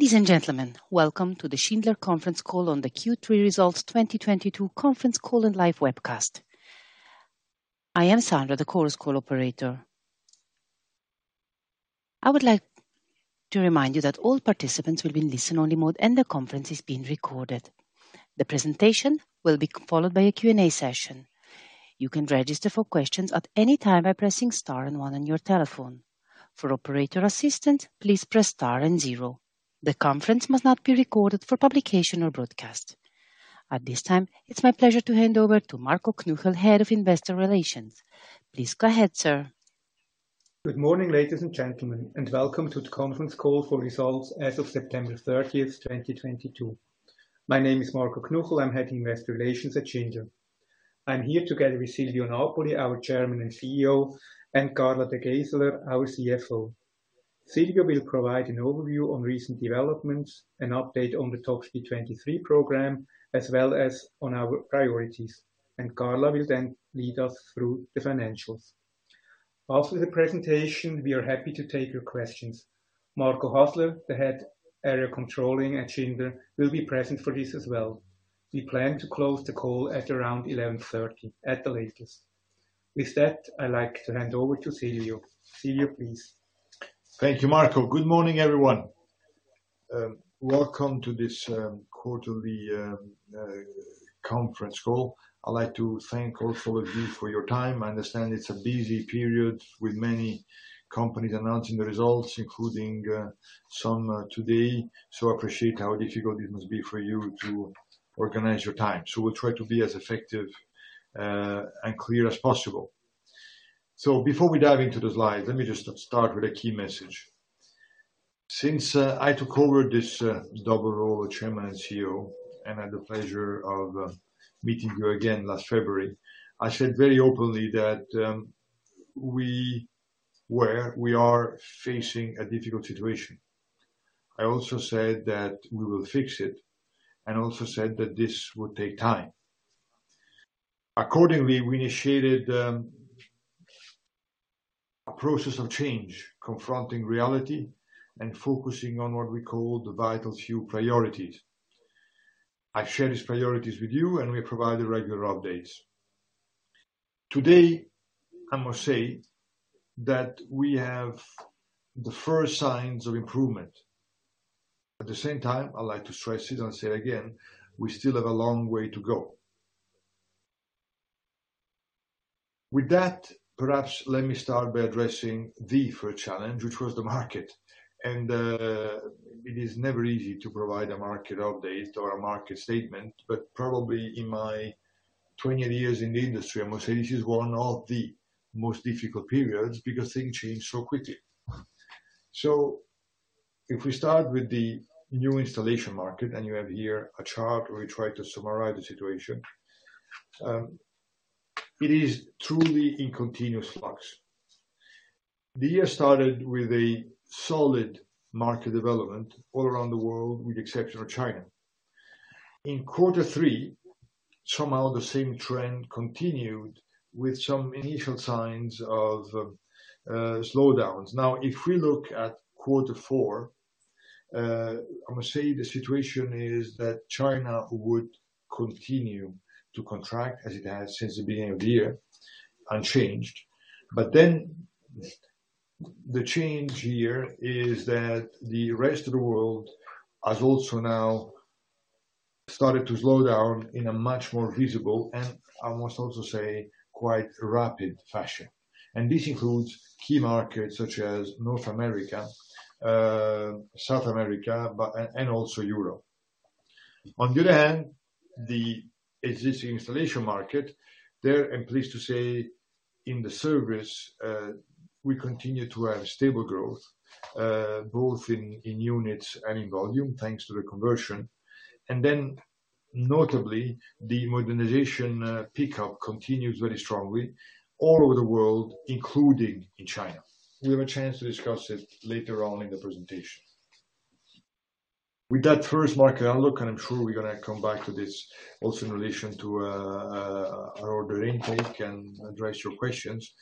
Ladies and gentlemen, welcome to the Schindler conference call on the Q3 Results 2022 conference call and live webcast. I am Sandra, the Chorus Call operator. I would like to remind you that all participants will be in listen-only mode, and the conference is being recorded. The presentation will be followed by a Q&A session. You can register for questions at any time by pressing star and one on your telephone. For operator assistance, please press star and zero. The conference must not be recorded for publication or broadcast. At this time, it's my pleasure to hand over to Marco Knuchel, Head of Investor Relations. Please go ahead, sir. Good morning, ladies and gentlemen, and welcome to the conference call for results as of September 30, 2022. My name is Marco Knuchel. I'm Head of Investor Relations at Schindler. I'm here together with Silvio Napoli, our Chairman and CEO, and Carla De Geyseleer, our CFO. Silvio will provide an overview on recent developments and update on the Top Speed 23 program, as well as on our priorities. Carla will then lead us through the financials. After the presentation, we are happy to take your questions. Marco Hasler, the Head Area Controlling at Schindler, will be present for this as well. We plan to close the call at around 11:30 A.M. at the latest. With that, I'd like to hand over to Silvio. Silvio, please. Thank you, Marco. Good morning, everyone. Welcome to this quarterly conference call. I'd like to thank all four of you for your time. I understand it's a busy period with many companies announcing the results, including some today. I appreciate how difficult it must be for you to organize your time. We'll try to be as effective and clear as possible. Before we dive into the slides, let me just start with a key message. Since I took over this double role of Chairman and CEO and had the pleasure of meeting you again last February, I said very openly that we are facing a difficult situation. I also said that we will fix it, and I also said that this would take time. Accordingly, we initiated a process of change, confronting reality and focusing on what we call the vital few priorities. I've shared these priorities with you, and we provided regular updates. Today, I must say that we have the first signs of improvement. At the same time, I'd like to stress it and say again, we still have a long way to go. With that, perhaps let me start by addressing the first challenge, which was the market. It is never easy to provide a market update or a market statement, but probably in my 28-years in the industry, I must say this is one of the most difficult periods because things change so quickly. If we start with the new installation market, and you have here a chart where we try to summarize the situation, it is truly in continuous flux. The year started with a solid market development all around the world, with the exception of China. In quarter three, somehow the same trend continued with some initial signs of slowdowns. Now, if we look at quarter four, I must say the situation is that China would continue to contract as it has since the beginning of the year, unchanged. The change here is that the rest of the world has also now started to slow down in a much more visible, and I must also say, quite rapid fashion. This includes key markets such as North America, South America, and also Europe. On the other hand, the existing installation market, there I'm pleased to say in the service, we continue to have stable growth, both in units and in volume, thanks to the conversion. Notably, the modernization pickup continues very strongly all over the world, including in China. We have a chance to discuss it later on in the presentation. With that first market outlook, and I'm sure we're gonna come back to this also in relation to our order intake and address your questions,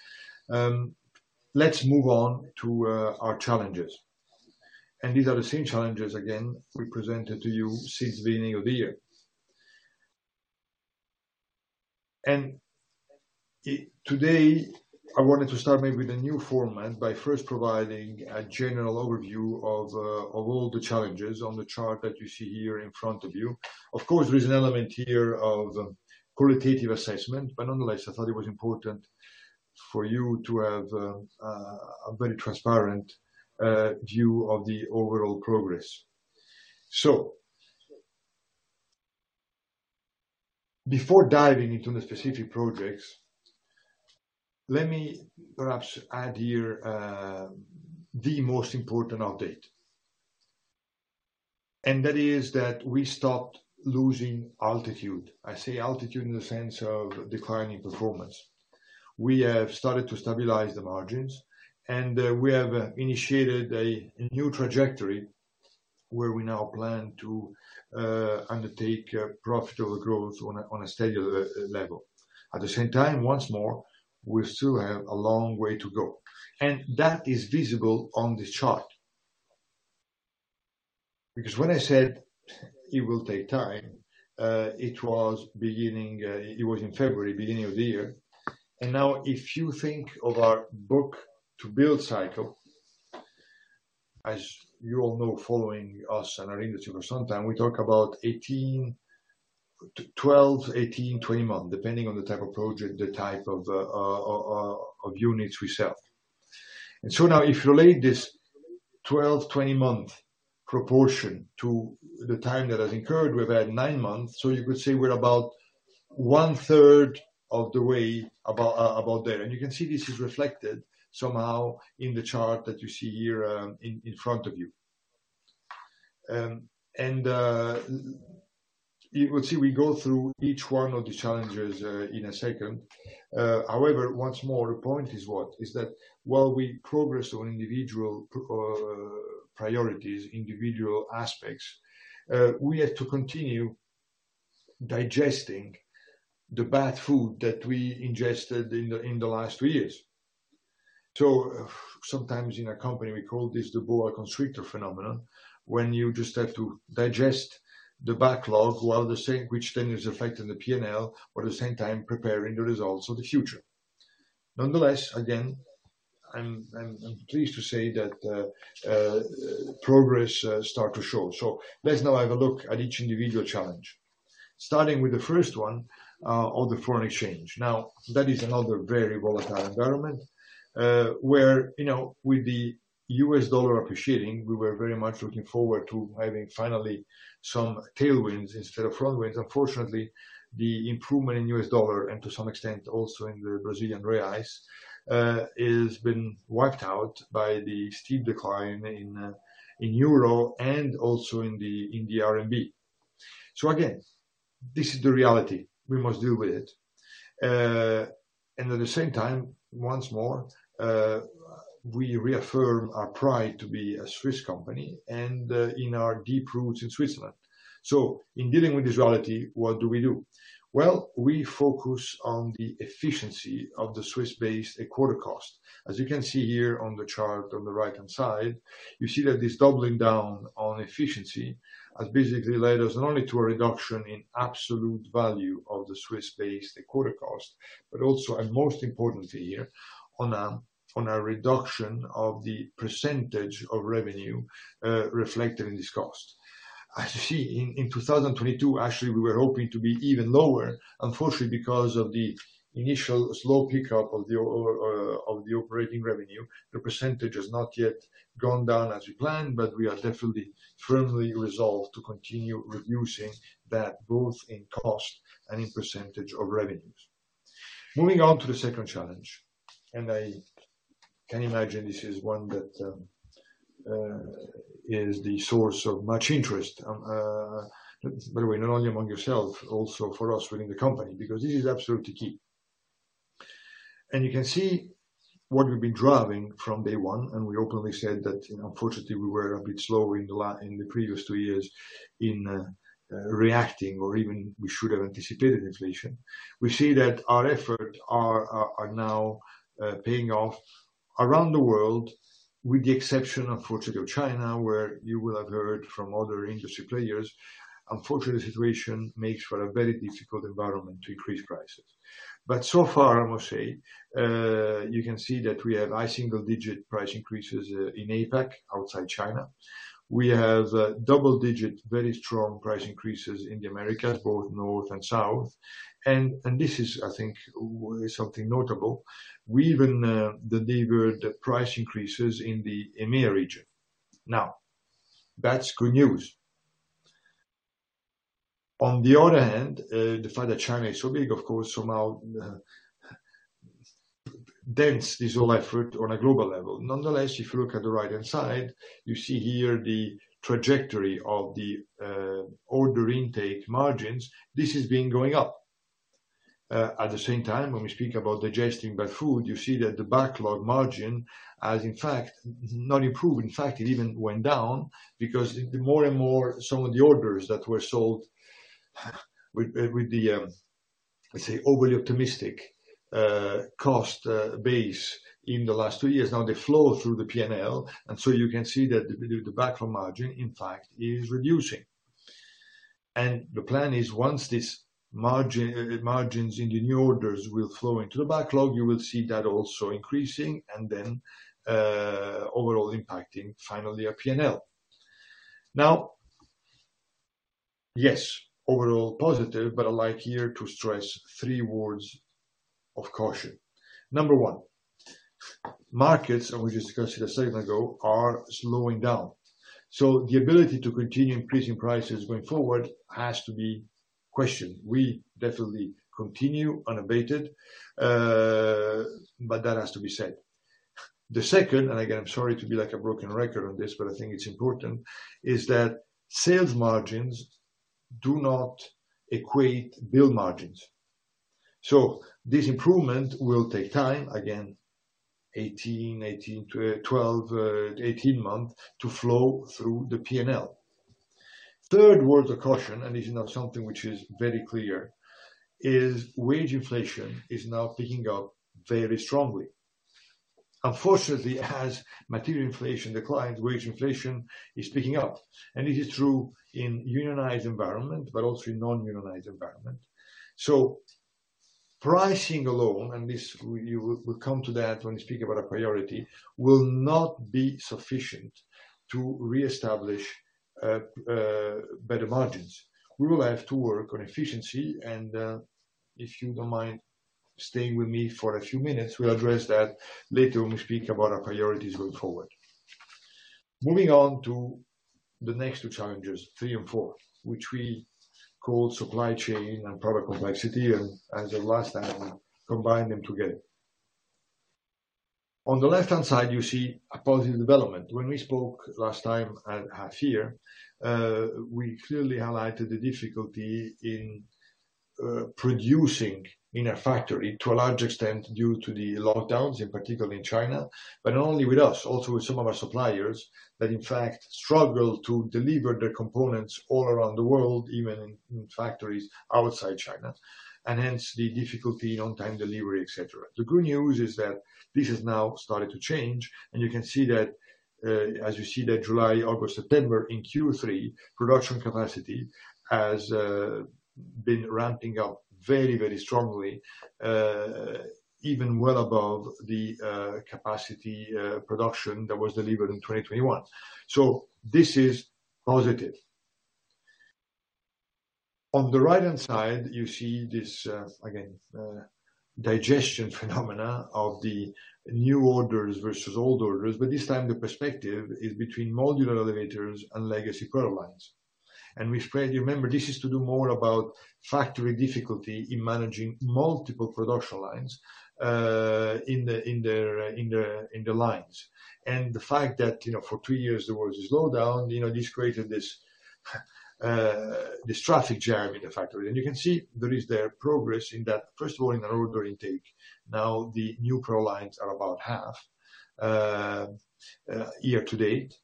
let's move on to our challenges. These are the same challenges, again, we presented to you since the beginning of the year. Today, I wanted to start maybe with a new format by first providing a general overview of all the challenges on the chart that you see here in front of you. Of course, there is an element here of qualitative assessment, but nonetheless, I thought it was important for you to have a very transparent view of the overall progress. Before diving into the specific projects, let me perhaps add here, the most important update. That is that we stopped losing altitude. I say altitude in the sense of declining performance. We have started to stabilize the margins, and we have initiated a new trajectory where we now plan to undertake profitable growth on a steady level. At the same time, once more, we still have a long way to go, and that is visible on this chart. Because when I said it will take time, it was in February, beginning of the year. Now if you think of our book-to-build cycle, as you all know following us and our industry for some time, we talk about 12, 18, 20 months, depending on the type of project, the type of units we sell. Now if you relate this 12 month, 20 month proportion to the time that has incurred, we've had nine months. You could say we're about 1/3 of the way about there. You can see this is reflected somehow in the chart that you see here in front of you. You will see we go through each one of the challenges in a second. However, what's more important is what? It's that while we progress on individual priorities, individual aspects, we have to continue digesting the bad food that we ingested in the last two years. Sometimes in a company, we call this the boa constrictor phenomenon, when you just have to digest the backlog while the same, which then is affecting the P&L, while at the same time preparing the results of the future. Nonetheless, again, I'm pleased to say that progress starts to show. Let's now have a look at each individual challenge. Starting with the first one on the foreign exchange. Now, that is another very volatile environment, where, you know, with the US dollar appreciating, we were very much looking forward to having finally some tailwinds instead of headwinds. Unfortunately, the improvement in US dollar, and to some extent also in the Brazilian reals, has been wiped out by the steep decline in euro and also in the RMB. Again, this is the reality. We must deal with it. At the same time, once more, we reaffirm our pride to be a Swiss company and in our deep roots in Switzerland. In dealing with this reality, what do we do? Well, we focus on the efficiency of the Swiss-based headquarter cost. As you can see here on the chart on the right-hand side, you see that this doubling down on efficiency has basically led us not only to a reduction in absolute value of the Swiss-based headquarter cost, but also, and most importantly here, on a reduction of the percentage of revenue reflected in this cost. As you see, in 2022, actually, we were hoping to be even lower. Unfortunately, because of the initial slow pickup of the operating revenue, the percentage has not yet gone down as we planned, but we are definitely firmly resolved to continue reducing that both in cost and in percentage of revenues. Moving on to the second challenge, I can imagine this is one that is the source of much interest, by the way, not only among yourself, also for us within the company. Because this is absolutely key. You can see what we've been driving from day one, and we openly said that, you know, unfortunately, we were a bit slow in the previous two years in reacting or even we should have anticipated inflation. We see that our effort are now paying off around the world, with the exception, unfortunately, of China, where you will have heard from other industry players. Unfortunately, the situation makes for a very difficult environment to increase prices. So far, I must say, you can see that we have high single-digit price increases in APAC, outside China. We have double-digit, very strong price increases in the Americas, both north and south. This is, I think, something notable. We even delivered price increases in the EMEA region. Now, that's good news. On the other hand, the fact that China is so big, of course, somehow dents this whole effort on a global level. Nonetheless, if you look at the right-hand side, you see here the trajectory of the order intake margins. This has been going up. At the same time, when we speak about digesting bad food, you see that the backlog margin has in fact not improved. In fact, it even went down because the more and more some of the orders that were sold with the, let's say, overly optimistic cost base in the last two years. Now they flow through the P&L, and so you can see that the backlog margin, in fact, is reducing. The plan is once this margin, margins in the new orders will flow into the backlog, you will see that also increasing and then overall impacting finally our P&L. Yes, overall positive, but I like here to stress three words of caution. Number 1, markets, and we just discussed it a second ago, are slowing down. The ability to continue increasing prices going forward has to be questioned. We definitely continue unabated, but that has to be said. The second, and again, I'm sorry to be like a broken record on this, but I think it's important, is that sales margins do not equate build margins. This improvement will take time, again, 12-18-months to flow through the P&L. Third word of caution, and this is now something which is very clear, wage inflation is now picking up very strongly. Unfortunately, as material inflation declines, wage inflation is picking up. It is true in unionized environment, but also in non-unionized environment. Pricing alone, and this we will come to that when we speak about our priority, will not be sufficient to reestablish better margins. We will have to work on efficiency. If you don't mind staying with me for a few minutes, we'll address that later when we speak about our priorities going forward. Moving on to the next two challenges, three and four, which we call supply chain and product complexity, and as of last time, combine them together. On the left-hand side, you see a positive development. When we spoke last time at half year, we clearly highlighted the difficulty in producing in a factory to a large extent due to the lockdowns, in particular in China. But not only with us, also with some of our suppliers that in fact struggle to deliver the components all around the world, even in factories outside China, and hence the difficulty on time delivery, et cetera. The good news is that this has now started to change, and you can see that, as you see that July, August, September in Q3, production capacity has been ramping up very, very strongly, even well above the capacity production that was delivered in 2021. This is positive. On the right-hand side, you see this, again, congestion phenomena of the new orders versus old orders, but this time the perspective is between modular elevators and legacy product lines. Remember this has more to do with factory difficulty in managing multiple production lines, in the lines. The fact that, you know, for two years there was this slowdown, you know, this created this traffic jam in the factory. You can see there is progress in that. First of all, in order intake. Now the new product lines are about half year to date.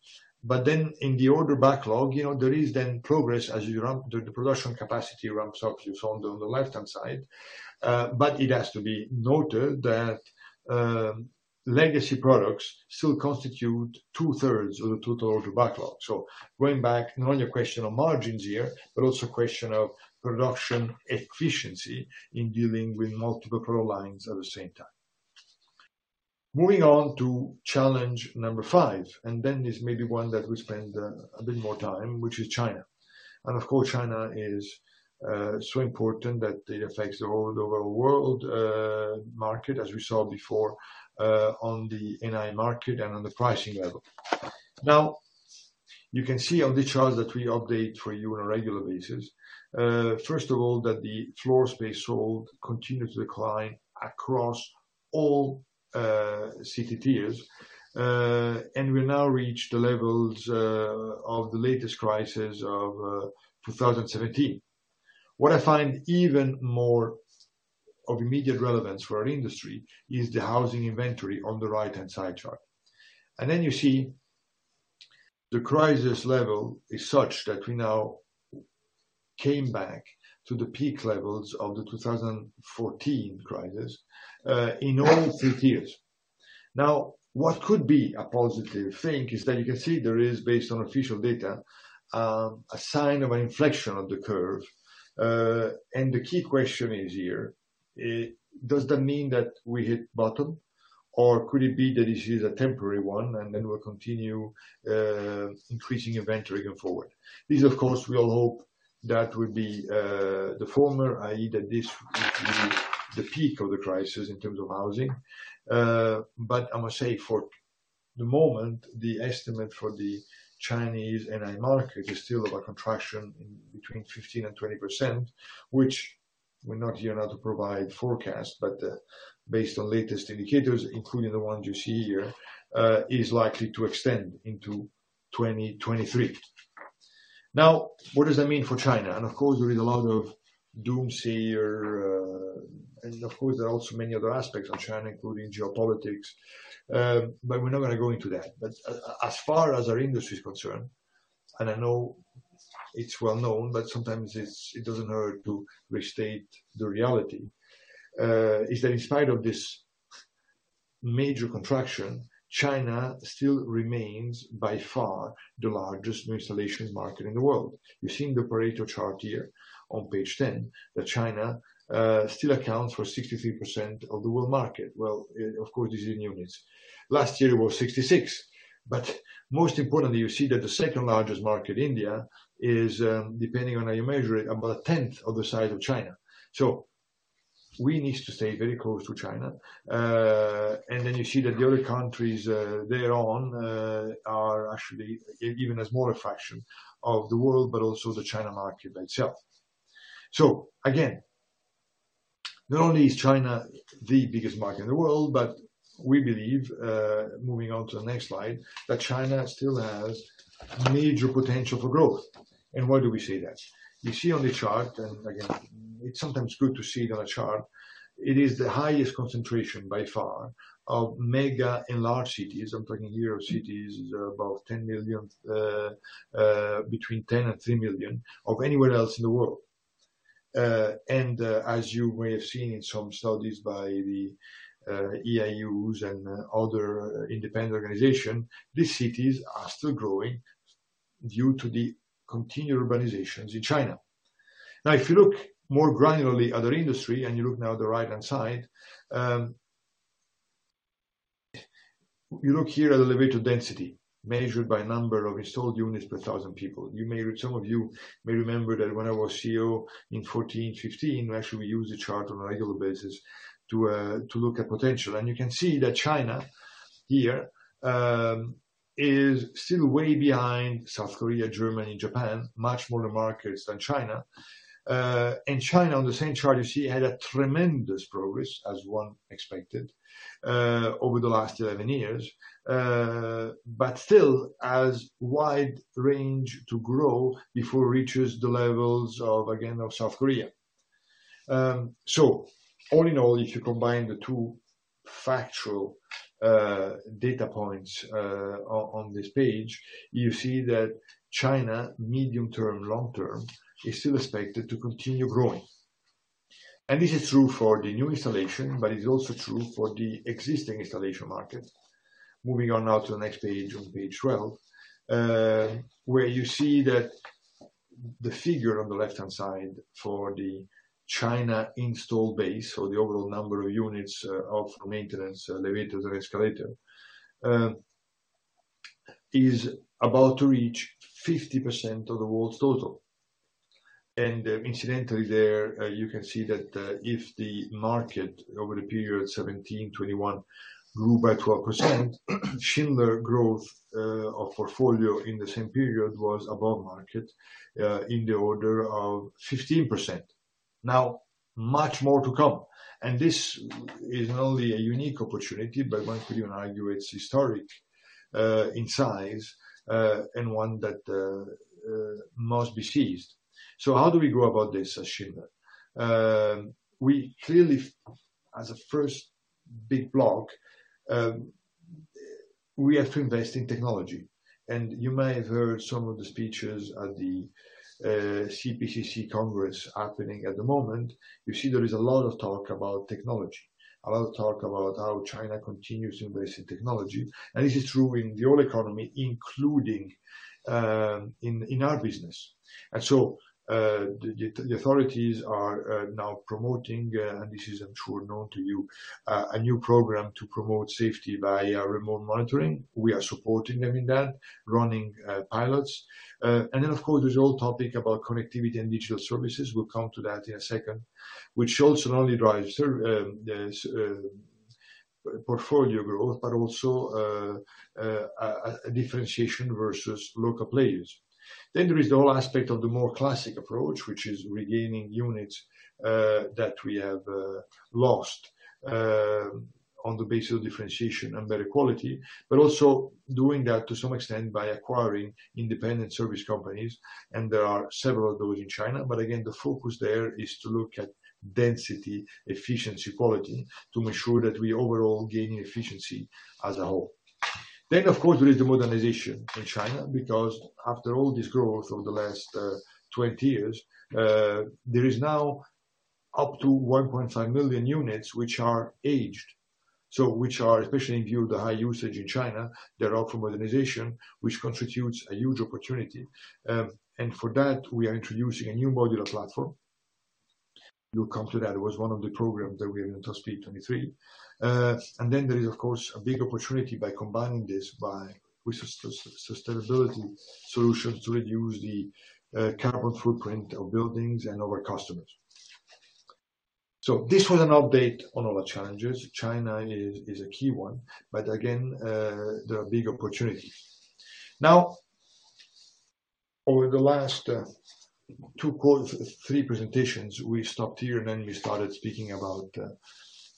Then in the order backlog, you know, there is progress as the production capacity ramps up, you saw on the left-hand side. It has to be noted that legacy products still constitute 2/3s of the total order backlog. Going back, not only a question of margins here, but also a question of production efficiency in dealing with multiple product lines at the same time. Moving on to challenge Number 5, this may be one that we spend a bit more time, which is China. Of course, China is so important that it affects the whole of our world market as we saw before on the new installations market and on the pricing level. Now, you can see on the charts that we update for you on a regular basis, first of all, that the floor space sold continues to decline across all city Tiers. We now reach the levels of the latest crisis of 2017. What I find even more of immediate relevance for our industry is the housing inventory on the right-hand side chart. Then you see the crisis level is such that we now came back to the peak levels of the 2014 crisis in all city Tiers. Now, what could be a positive thing is that you can see there is, based on official data, a sign of an inflection of the curve. The key question is here, does that mean that we hit bottom or could it be that this is a temporary one and then we'll continue increasing inventory going forward? This, of course, we all hope that would be the former, i.e., that this would be the peak of the crisis in terms of housing. I must say for the moment, the estimate for the Chinese NI market is still of a contraction in between 15% and 20%, which we're not here now to provide forecast, but based on latest indicators, including the ones you see here, is likely to extend into 2023. Now, what does that mean for China? Of course, there is a lot of doomsayer, and of course, there are also many other aspects of China, including geopolitics, but we're not gonna go into that. As far as our industry is concerned, and I know it's well known, but sometimes it doesn't hurt to restate the reality, is that in spite of this major contraction, China still remains by far the largest new installations market in the world. You've seen the operator chart here on Page 10, that China still accounts for 63% of the world market. Well, of course, this is in units. Last year it was 66%. Most importantly, you see that the second-largest market, India, is, depending on how you measure it, about a tenth of the size of China. We need to stay very close to China. Then you see that the other countries, thereon, are actually even a smaller fraction of the world, but also the China market by itself. Again, not only is China the biggest market in the world, but we believe, moving on to the next slide, that China still has major potential for growth. Why do we say that? You see on the chart, and again, it's sometimes good to see it on a chart. It is the highest concentration by far of mega and large cities. I'm talking here of cities about 10 million, between 10 and 3 million of anywhere else in the world. As you may have seen in some studies by the EIUs and other independent organization, these cities are still growing due to the continued urbanizations in China. Now, if you look more granularly at our industry, and you look now at the right-hand side, you look here at elevator density measured by number of installed units per 1,000 people. Some of you may remember that when I was CEO in 2014, 2015, I actually used the chart on a regular basis to look at potential. You can see that China here is still way behind South Korea, Germany, and Japan, much smaller markets than China. China, on the same chart, you see, had a tremendous progress, as one expected, over the last 11-years. Still has wide range to grow before it reaches the levels of, again, of South Korea. All in all, if you combine the two factual data points on this page, you see that China, medium term, long term, is still expected to continue growing. This is true for the new installation, but it's also true for the existing installation market. Moving on now to the next page, on Page 12, where you see that the figure on the left-hand side for the China installed base or the overall number of units of maintenance elevators and escalators is about to reach 50% of the world's total. Incidentally there, you can see that if the market over the period 2017-2021 grew by 12%, Schindler growth of portfolio in the same period was above market in the order of 15%. Now, much more to come. This is not only a unique opportunity, but one could even argue it's historic in size and one that must be seized. How do we go about this as Schindler? We clearly, as a first big block, have to invest in technology. You may have heard some of the speeches at the CPC Congress happening at the moment. You see there is a lot of talk about technology, a lot of talk about how China continues to invest in technology. This is true in the old economy, including in our business. The authorities are now promoting, and this is I'm sure known to you, a new program to promote safety via remote monitoring. We are supporting them in that, running pilots. Of course, there's also the topic about connectivity and digital services. We'll come to that in a second. Which also not only drives the service portfolio growth, but also a differentiation versus local players. There is the whole aspect of the more classic approach, which is regaining units that we have lost on the basis of differentiation and better quality. Also doing that to some extent by acquiring independent service companies, and there are several of those in China. Again, the focus there is to look at density, efficiency, quality, to make sure that we overall gaining efficiency as a whole. Of course, there is the modernization in China, because after all this growth over the last 20-years, there is now up to 1.5 million units which are aged. Which are especially in view of the high usage in China, they're up for modernization, which constitutes a huge opportunity. For that, we are introducing a new modular platform. We'll come to that. It was one of the programs that we have in Top Speed 23. Then there is of course a big opportunity by combining this with sustainability solutions to reduce the carbon footprint of buildings and our customers. This was an update on all our challenges. China is a key one, but again, there are big opportunities. Now, over the last two calls, three presentations, we stopped here and then we started speaking about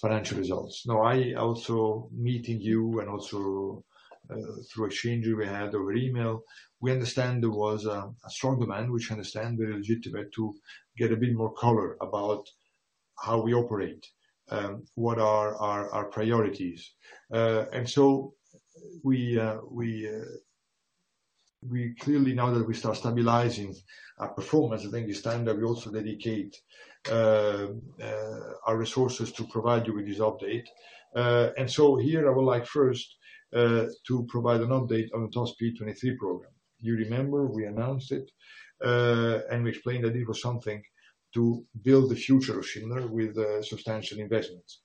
financial results. Now I also meeting you and also through exchange we had over email, we understand there was a strong demand, which I understand very legitimate to get a bit more color about how we operate, what are our priorities. We clearly, now that we start stabilizing our performance, I think it's time that we also dedicate our resources to provide you with this update. Here I would like first to provide an update on the Top Speed 23 program. You remember we announced it, and we explained that it was something to build the future of Schindler with substantial investments.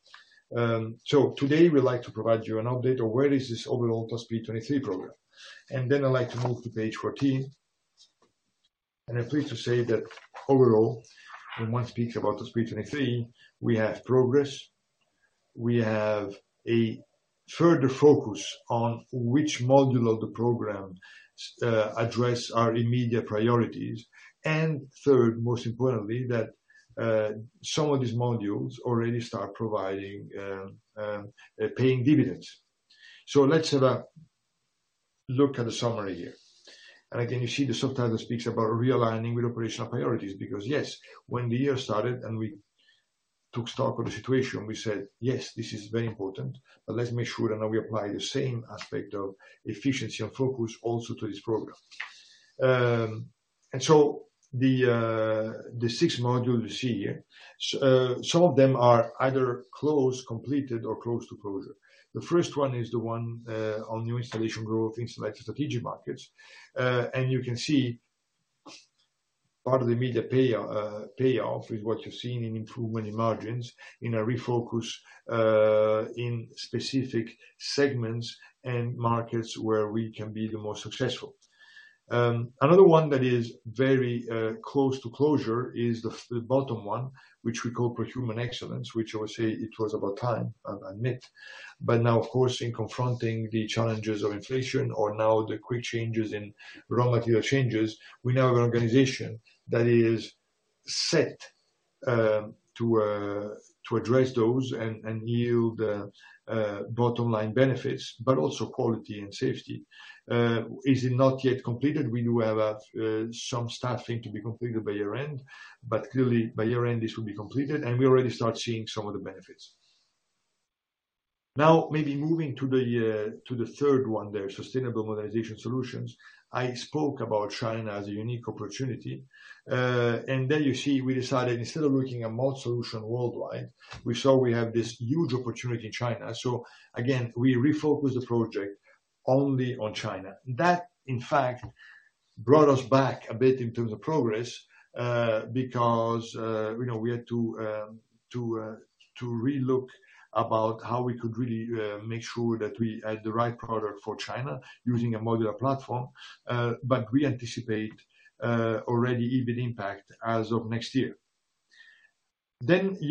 Today we'd like to provide you an update on where is this overall Top Speed 23 program. Then I'd like to move to Page 14. I'm pleased to say that overall, when one speaks about Top Speed 23, we have progress, we have a further focus on which module of the program address our immediate priorities, and third, most importantly, that some of these modules already start providing paying dividends. Let's have a look at the summary here. You see the subtitle speaks about realigning with operational priorities because, yes, when the year started and we took stock of the situation, we said, "Yes, this is very important, but let's make sure that now we apply the same aspect of efficiency and focus also to this program." The six modules you see here, some of them are either close completed or close to closure. The first one is on new installation growth in selected strategic markets. You can see part of the immediate payoff is what you're seeing in improvement in margins, in a refocus, in specific segments and markets where we can be the most successful. Another one that is very close to closure is the bottom one, which we call Procurement Excellence, which I would say it was about time, I'll admit. Now, of course, in confronting the challenges of inflation or now the quick changes in raw material changes, we now have an organization that is set to address those and yield bottom line benefits, but also quality and safety. Is it not yet completed? We do have some staffing to be completed by year-end, but clearly by year-end, this will be completed, and we already start seeing some of the benefits. Now, maybe moving to the third one there, Sustainable Modernization Solutions. I spoke about China as a unique opportunity. There you see, we decided instead of working on a modernization solution worldwide, we saw we have this huge opportunity in China. Again, we refocused the project only on China. That, in fact, brought us back a bit in terms of progress, because, you know, we had to re-look about how we could really make sure that we had the right product for China using a modular platform. We anticipate already EBIT impact as of next year.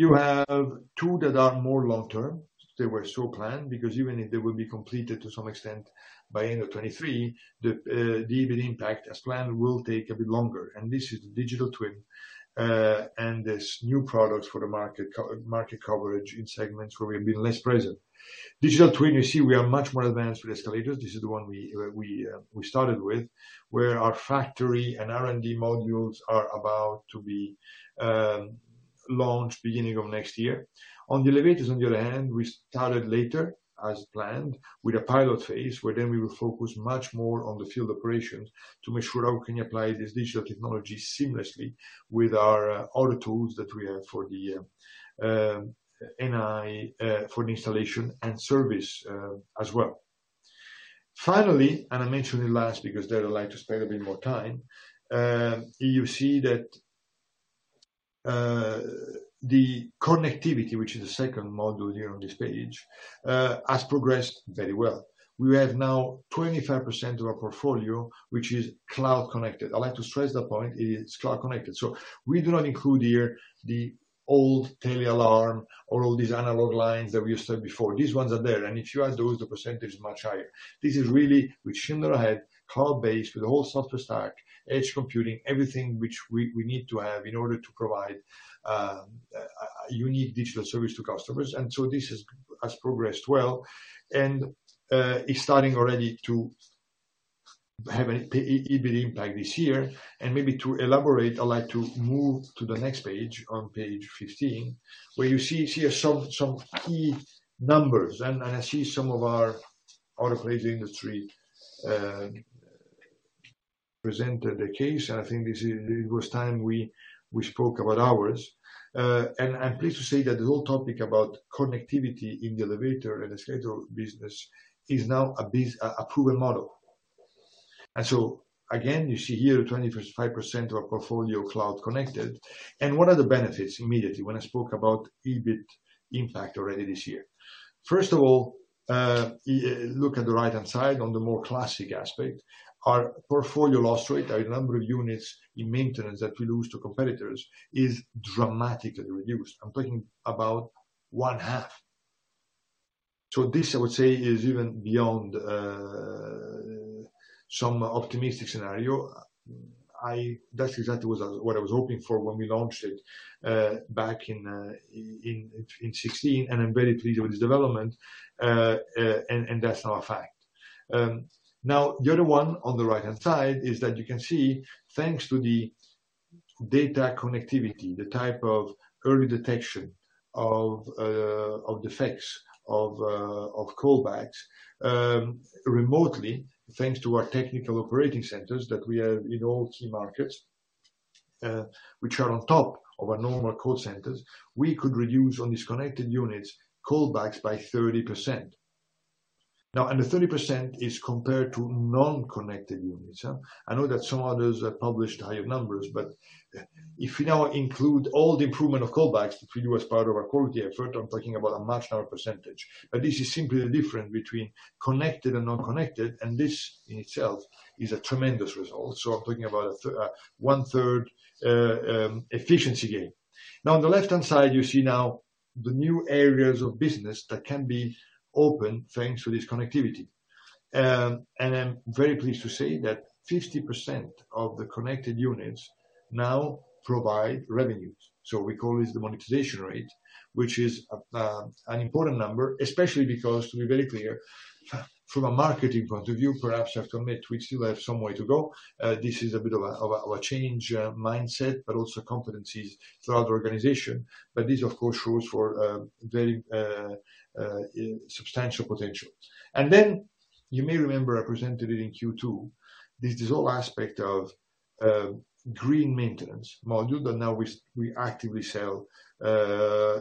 You have two that are more long-term. They were so planned because even if they will be completed to some extent by end of 2023, the EBIT impact, as planned, will take a bit longer. This is digital twin. There's new products for the market coverage in segments where we've been less present. Digital twin, you see, we are much more advanced with escalators. This is the one we started with, where our factory and R&D modules are about to be launched beginning of next year. On the elevators, on the other hand, we started later, as planned, with a pilot phase, where then we will focus much more on the field operations to make sure how we can apply this digital technology seamlessly with our other tools that we have for the NI for the installation and service, as well. Finally, and I mention it last because there I'd like to spend a bit more time, you see that, the connectivity, which is the second module here on this page, has progressed very well. We have now 25% of our portfolio, which is cloud-connected. I'd like to stress that point, it's cloud-connected. So we do not include here the old tel alarm or all these analog lines that we used to have before. These ones are there, and if you add those, the percentage is much higher. This is really with Schindler Ahead, cloud-based with the whole software stack, edge computing, everything which we need to have in order to provide a unique digital service to customers. This has progressed well and is starting already to have a positive EBIT impact this year. Maybe to elaborate, I'd like to move to the next page on Page 15, where you see here some key numbers. I see some of our upgrade industry presented the case. I think it was time we spoke about ours. I'm pleased to say that the whole topic about connectivity in the elevator and escalator business is now a proven model. Again, you see here 25% of our portfolio cloud-connected. What are the benefits immediately when I spoke about EBIT impact already this year? First of all, look at the right-hand side on the more classic aspect. Our portfolio loss rate, our number of units in maintenance that we lose to competitors is dramatically reduced. I'm talking about one half. This I would say is even beyond some optimistic scenario. That's exactly what I was hoping for when we launched it back in 2016, and I'm very pleased with this development. That's now a fact. The other one on the right-hand side is that you can see, thanks to the data connectivity, the type of early detection of defects of callbacks remotely, thanks to our technical operating centers that we have in all key markets, which are on top of our normal call centers, we could reduce on these connected units callbacks by 30%. The 30% is compared to non-connected units. I know that some others have published higher numbers, but if you now include all the improvement of callbacks for you as part of our quality effort, I'm talking about a much higher percentage. This is simply the difference between connected and non-connected, and this in itself is a tremendous result. I'm talking about a one-third efficiency gain. Now on the left-hand side, you see now the new areas of business that can be open thanks to this connectivity. I'm very pleased to say that 50% of the connected units now provide revenues. We call this the monetization rate, which is an important number, especially because to be very clear, from a marketing point of view, perhaps after MIT, we still have some way to go. This is a bit of a change in mindset, but also competencies throughout the organization. This of course shows for very substantial potential. You may remember I presented it in Q2. This is all aspect of green maintenance module that now we actively sell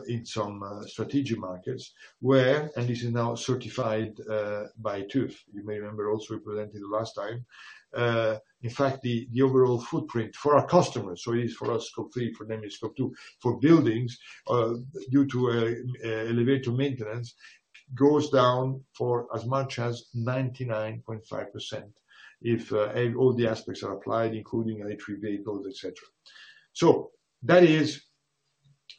in some strategic markets and this is now certified by TÜV. You may remember also we presented last time. In fact the overall footprint for our customers, so it is for us Scope 3, for them is Scope 2, for buildings, due to elevator maintenance goes down for as much as 99.5% if all the aspects are applied, including electric vehicles, etc. That is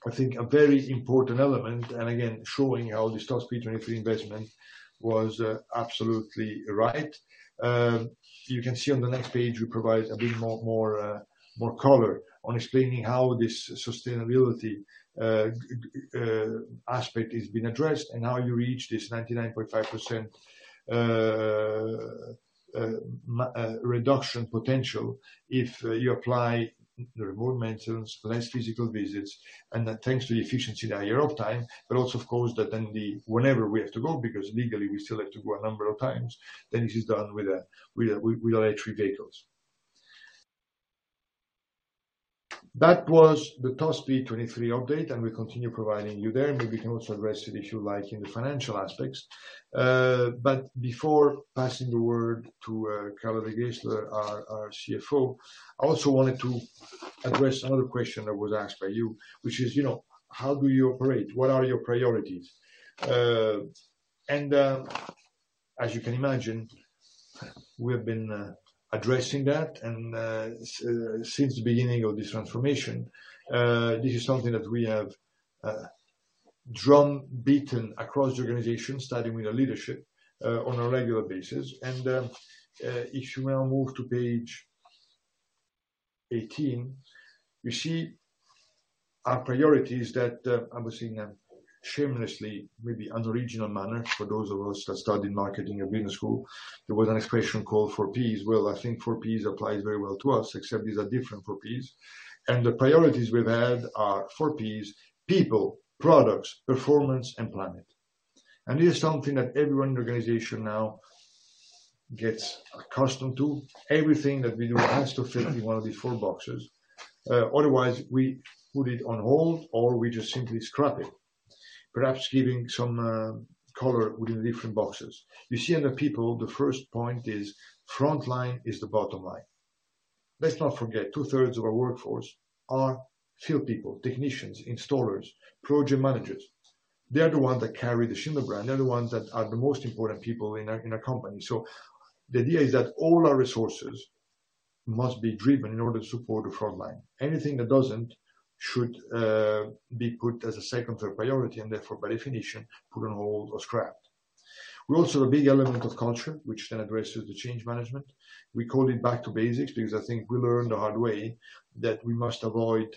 I think a very important element and again showing how this Top Speed 23 investment was absolutely right. You can see on the next page we provide a bit more color on explaining how this sustainability aspect is being addressed and how you reach this 99.5% reduction potential if you apply the remote maintenance, less physical visits, and thanks to the efficiency in terms of time, but also of course that then whenever we have to go because legally we still have to go a number of times, then it is done with electric vehicles. That was the Top Speed 23 update, and we continue providing you there, and we can also address it if you like, in the financial aspects. Before passing the word to Carla De Geyseleer, our CFO, I also wanted to address another question that was asked by you, which is, you know, how do you operate? What are your priorities? As you can imagine, we have been addressing that since the beginning of this transformation. This is something that we have drum beaten across the organization, starting with our leadership on a regular basis. If you now move to Page 18, we see our priorities that I was seeing in a shamelessly maybe unoriginal manner for those of us that studied marketing at business school. There was an expression called four Ps. Well, I think four Ps applies very well to us, except these are different four Ps. The priorities we've had are four Ps, people, products, performance and planet. This is something that everyone in the organization now gets accustomed to. Everything that we do has to fit in one of these four boxes. Otherwise we put it on hold or we just simply scrap it, perhaps giving some color within different boxes. You see under people, the first point is frontline is the bottom line. Let's not forget, 2/3s of our workforce are field people, technicians, installers, project managers. They are the ones that carry the Schindler brand. They're the ones that are the most important people in a company. The idea is that all our resources must be driven in order to support the frontline. Anything that doesn't should be put as a second or third priority and therefore by definition, put on hold or scrapped. We're also a big element of culture, which then addresses the change management. We call it back to basics, because I think we learned the hard way that we must avoid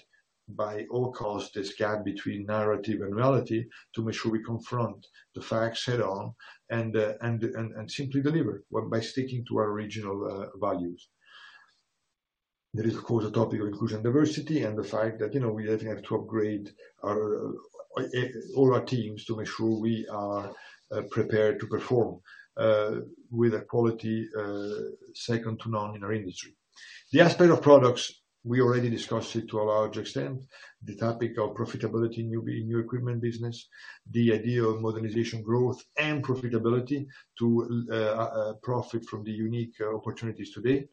at all costs this gap between narrative and reality to make sure we confront the facts head on and simply deliver by sticking to our original values. There is of course a topic of inclusion, diversity, and the fact that, you know, we have to upgrade all our teams to make sure we are prepared to perform with a quality second to none in our industry. The aspect of products, we already discussed it to a large extent. The topic of profitability in new equipment business, the idea of modernization growth and profitability to profit from the unique opportunities today.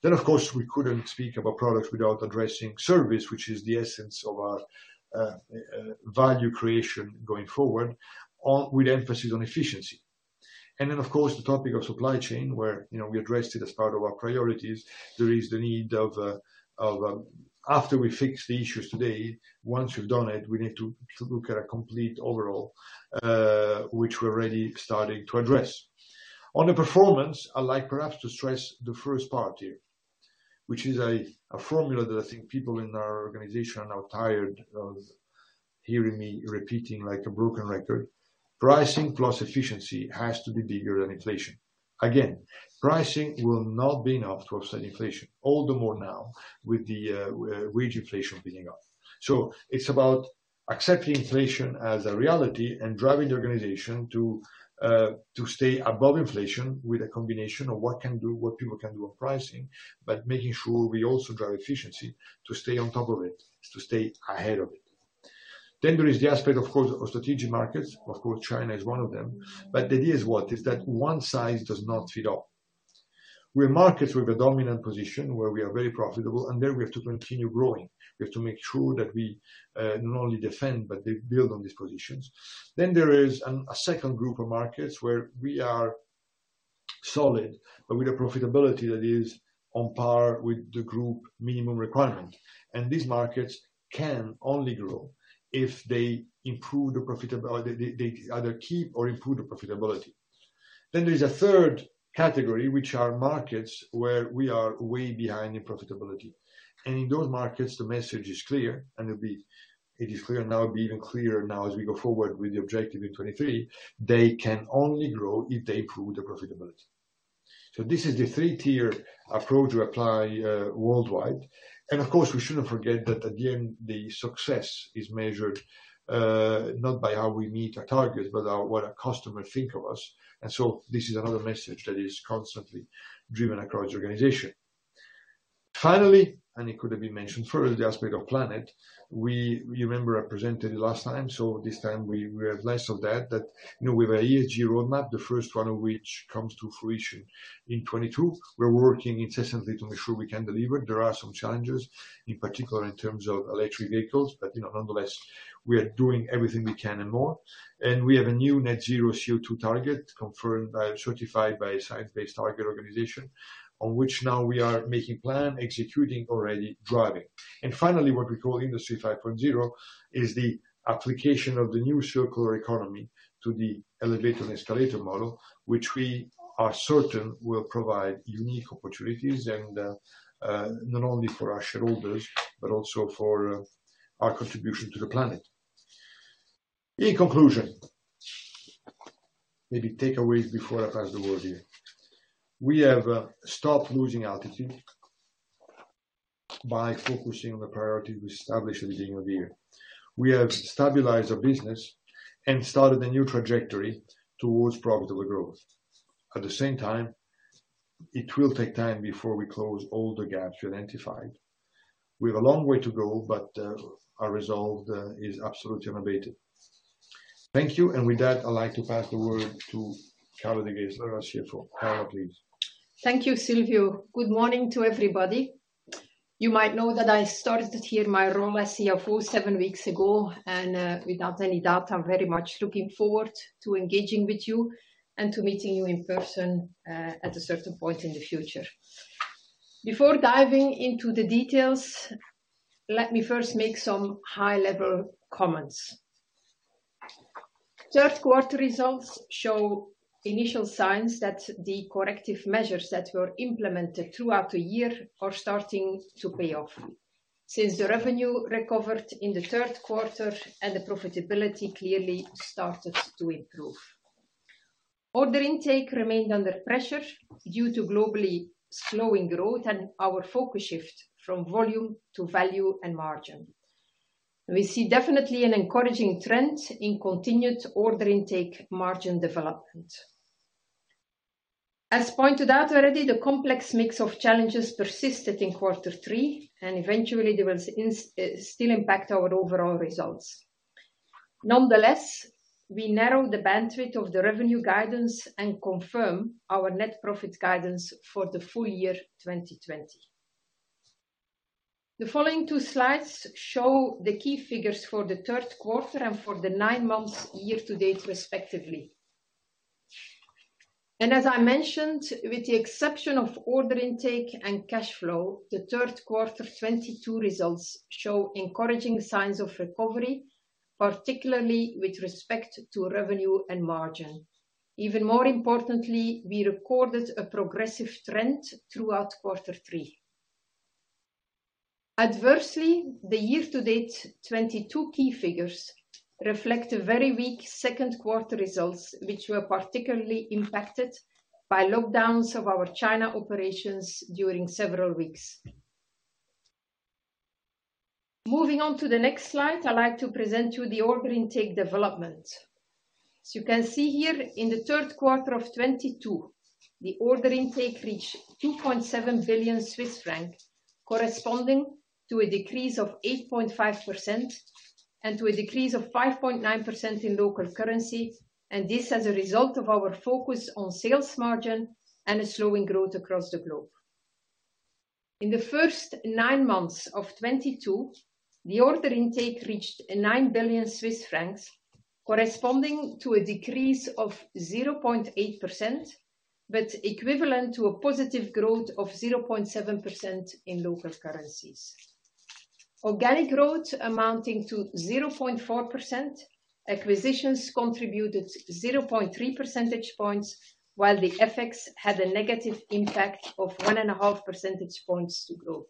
We couldn't speak about products without addressing service, which is the essence of our value creation going forward with emphasis on efficiency. The topic of supply chain, where you know we addressed it as part of our priorities. There is the need of after we fix the issues today, once we've done it, we need to look at a complete overhaul, which we're already starting to address. On the performance, I like perhaps to stress the first part here, which is a formula that I think people in our organization are tired of hearing me repeating like a broken record. Pricing plus efficiency has to be bigger than inflation. Again, pricing will not be enough to offset inflation, all the more now with the wage inflation picking up. It's about accepting inflation as a reality and driving the organization to stay above inflation with a combination of what we can do, what people can do on pricing, but making sure we also drive efficiency to stay on top of it, to stay ahead of it. There is the aspect, of course, of strategic markets. Of course, China is one of them. The idea is what? Is that one size does not fit all. There are markets with a dominant position where we are very profitable, and there we have to continue growing. We have to make sure that we not only defend, but build on these positions. There is a second group of markets where we are solid, but with a profitability that is on par with the group minimum requirement. These markets can only grow if they improve the profitability. They either keep or improve the profitability. There's a third category, which are markets where we are way behind in profitability. In those markets, the message is clear, and it is clear now and will be even clearer now as we go forward with the objective in 2023. They can only grow if they improve the profitability. This is the 3-Tier approach we apply worldwide. Of course, we shouldn't forget that at the end, the success is measured not by how we meet our targets, but what our customers think of us. This is another message that is constantly driven across the organization. Finally, it could have been mentioned further, the aspect of planet. We remember I presented it last time, so this time we have less of that, you know, we have an ESG roadmap, the first one of which comes to fruition in 2022. We're working incessantly to make sure we can deliver. There are some challenges, in particular in terms of electric vehicles, but, you know, nonetheless, we are doing everything we can and more. We have a new net-zero CO2 target certified by a science-based target organization, on which now we are making plan, executing, already driving. Finally, what we call Industry 5.0 is the application of the new circular economy to the elevator and escalator model, which we are certain will provide unique opportunities and not only for our shareholders, but also for our contribution to the planet. In conclusion, main takeaways before I pass the word to you. We have stopped losing altitude by focusing on the priority we established at the beginning of the year. We have stabilized our business and started a new trajectory towards profitable growth. At the same time, it will take time before we close all the gaps we identified. We have a long way to go, but our resolve is absolutely unabated. Thank you. With that, I'd like to pass the word to Carla De Geyseleer, our CFO. Carla, please. Thank you, Silvio. Good morning to everybody. You might know that I started here my role as CFO seven weeks ago, and without any doubt, I'm very much looking forward to engaging with you and to meeting you in person at a certain point in the future. Before diving into the details, let me first make some high-level comments. Third quarter results show initial signs that the corrective measures that were implemented throughout the year are starting to pay off, since the revenue recovered in the third quarter and the profitability clearly started to improve. Order intake remained under pressure due to globally slowing growth and our focus shift from volume to value and margin. We see definitely an encouraging trend in continued order intake margin development. As pointed out already, the complex mix of challenges persisted in quarter three, and eventually they will still impact our overall results. Nonetheless, we narrow the bandwidth of the revenue guidance and confirm our net profit guidance for the full year 2020. The following two slides show the key figures for the third quarter and for the nine months year-to-date respectively. As I mentioned, with the exception of order intake and cash flow, the third quarter 2022 results show encouraging signs of recovery, particularly with respect to revenue and margin. Even more importantly, we recorded a progressive trend throughout quarter three. Adversely, the year-to-date 2022 key figures reflect a very weak second quarter results, which were particularly impacted by lockdowns of our China operations during several weeks. Moving on to the next slide, I'd like to present you the order intake development. You can see here in the third quarter of 2022, the order intake reached 2.7 billion Swiss francs, corresponding to a decrease of 8.5% and to a decrease of 5.9% in local currency, and this as a result of our focus on sales margin and a slowing growth across the globe. In the first nine months of 2022, the order intake reached 9 billion Swiss francs, corresponding to a decrease of 0.8%, but equivalent to a positive growth of 0.7% in local currencies. Organic growth amounting to 0.4%, acquisitions contributed 0.3 percentage points, while the FX had a negative impact of 1.5 percentage points to growth.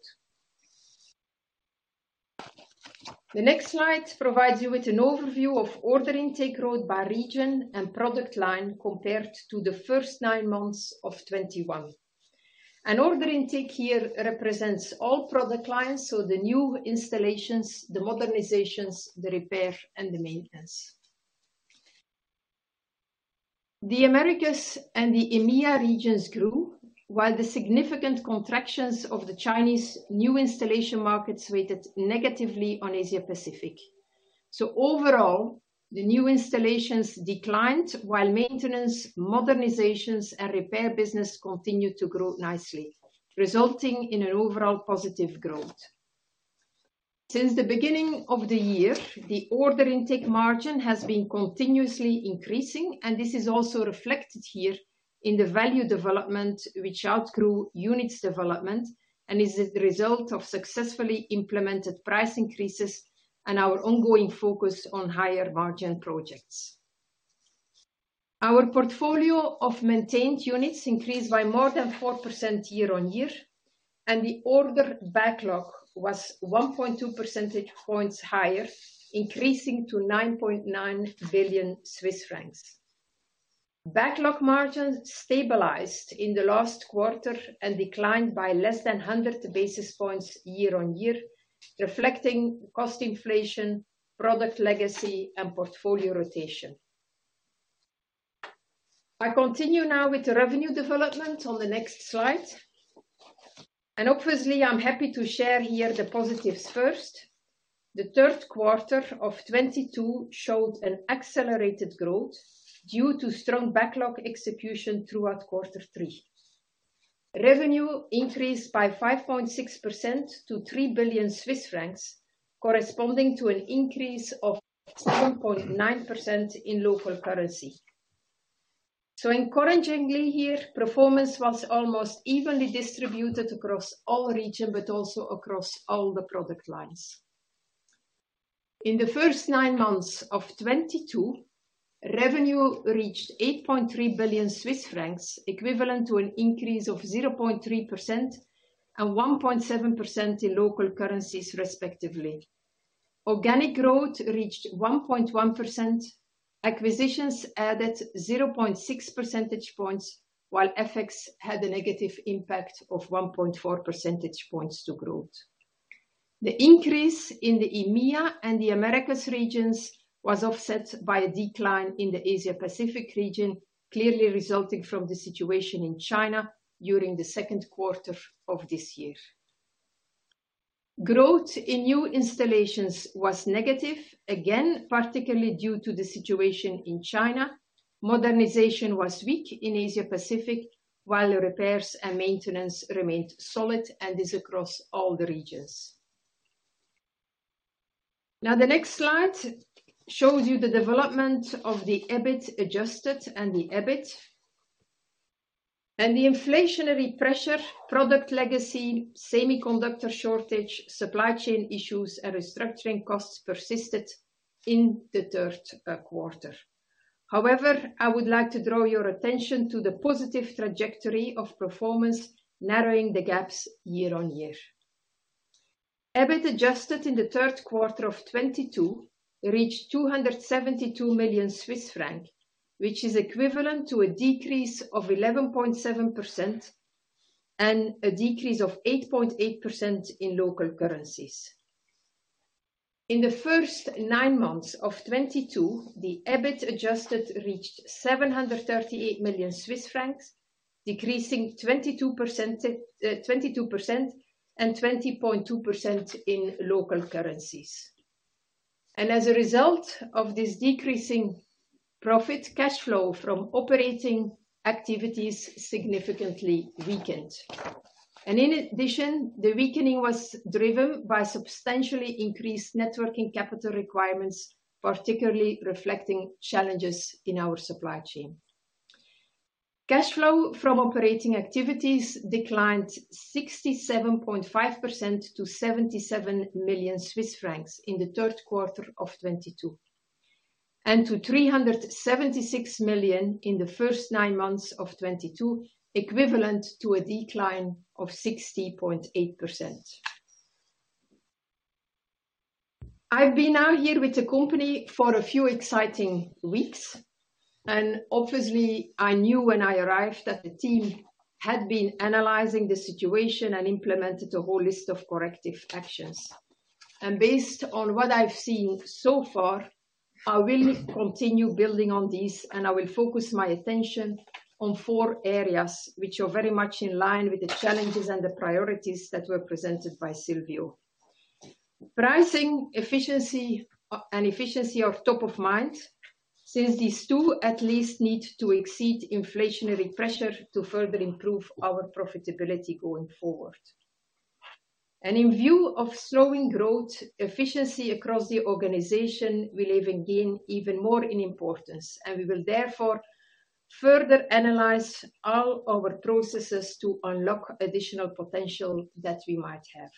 The next slide provides you with an overview of order intake growth by region and product line compared to the first nine months of 2021. An order intake here represents all product lines, so the new installations, the modernizations, the repair, and the maintenance. The Americas and the EMEA regions grew, while the significant contractions of the Chinese new installation markets weighed negatively on Asia Pacific. Overall, the new installations declined while maintenance, modernizations, and repair business continued to grow nicely, resulting in an overall positive growth. Since the beginning of the year, the order intake margin has been continuously increasing, and this is also reflected here in the value development which outgrew units development and is the result of successfully implemented price increases. Our ongoing focus on higher margin projects. Our portfolio of maintained units increased by more than 4% year-on-year, and the order backlog was 1.2 percentage points higher, increasing to 9.9 billion Swiss francs. Backlog margin stabilized in the last quarter and declined by less than 100 basis points year-on-year, reflecting cost inflation, product legacy, and portfolio rotation. I continue now with the revenue development on the next slide. Obviously, I'm happy to share here the positives first. The third quarter of 2022 showed an accelerated growth due to strong backlog execution throughout quarter three. Revenue increased by 5.6% to 3 billion Swiss francs, corresponding to an increase of 7.9% in local currency. Encouragingly here, performance was almost evenly distributed across all regions, but also across all the product lines. In the first nine months of 2022, revenue reached 8.3 billion Swiss francs, equivalent to an increase of 0.3% and 1.7% in local currencies, respectively. Organic growth reached 1.1%. Acquisitions added 0.6 percentage points, while FX had a negative impact of 1.4 percentage points to growth. The increase in the EMEA and the Americas regions was offset by a decline in the Asia-Pacific region, clearly resulting from the situation in China during the second quarter of this year. Growth in new installations was negative, again, particularly due to the situation in China. Modernization was weak in Asia-Pacific, while repairs and maintenance remained solid and is across all the regions. Now, the next slide shows you the development of the EBIT adjusted and the EBIT. The inflationary pressure, product legacy, semiconductor shortage, supply chain issues, and restructuring costs persisted in the third quarter. However, I would like to draw your attention to the positive trajectory of performance narrowing the gaps year-on-year. EBIT adjusted in the third quarter of 2022 reached 272 million Swiss francs, which is equivalent to a decrease of 11.7% and a decrease of 8.8% in local currencies. In the first nine months of 2022, the EBIT adjusted reached 738 million Swiss francs, decreasing 22%, 22% and 20.2% in local currencies. As a result of this decreasing profit, cash flow from operating activities significantly weakened. In addition, the weakening was driven by substantially increased net working capital requirements, particularly reflecting challenges in our supply chain. Cash flow from operating activities declined 67.5% to 77 million Swiss francs in the third quarter of 2022, and to 376 million in the first nine months of 2022, equivalent to a decline of 60.8%. I've been now here with the company for a few exciting weeks, and obviously I knew when I arrived that the team had been analyzing the situation and implemented a whole list of corrective actions. Based on what I've seen so far, I will continue building on this, and I will focus my attention on four areas which are very much in line with the challenges and the priorities that were presented by Silvio. Pricing efficiency and efficiency are top of mind, since these two at least need to exceed inflationary pressure to further improve our profitability going forward. In view of slowing growth, efficiency across the organization will gain even more in importance, and we will therefore further analyze all our processes to unlock additional potential that we might have.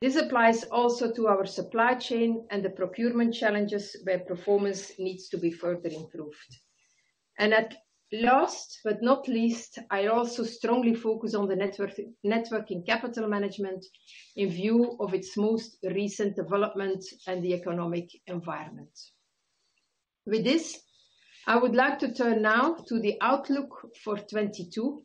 This applies also to our supply chain and the procurement challenges where performance needs to be further improved. Last but not least, I also strongly focus on the net working capital management in view of its most recent development and the economic environment. With this, I would like to turn now to the outlook for 2022.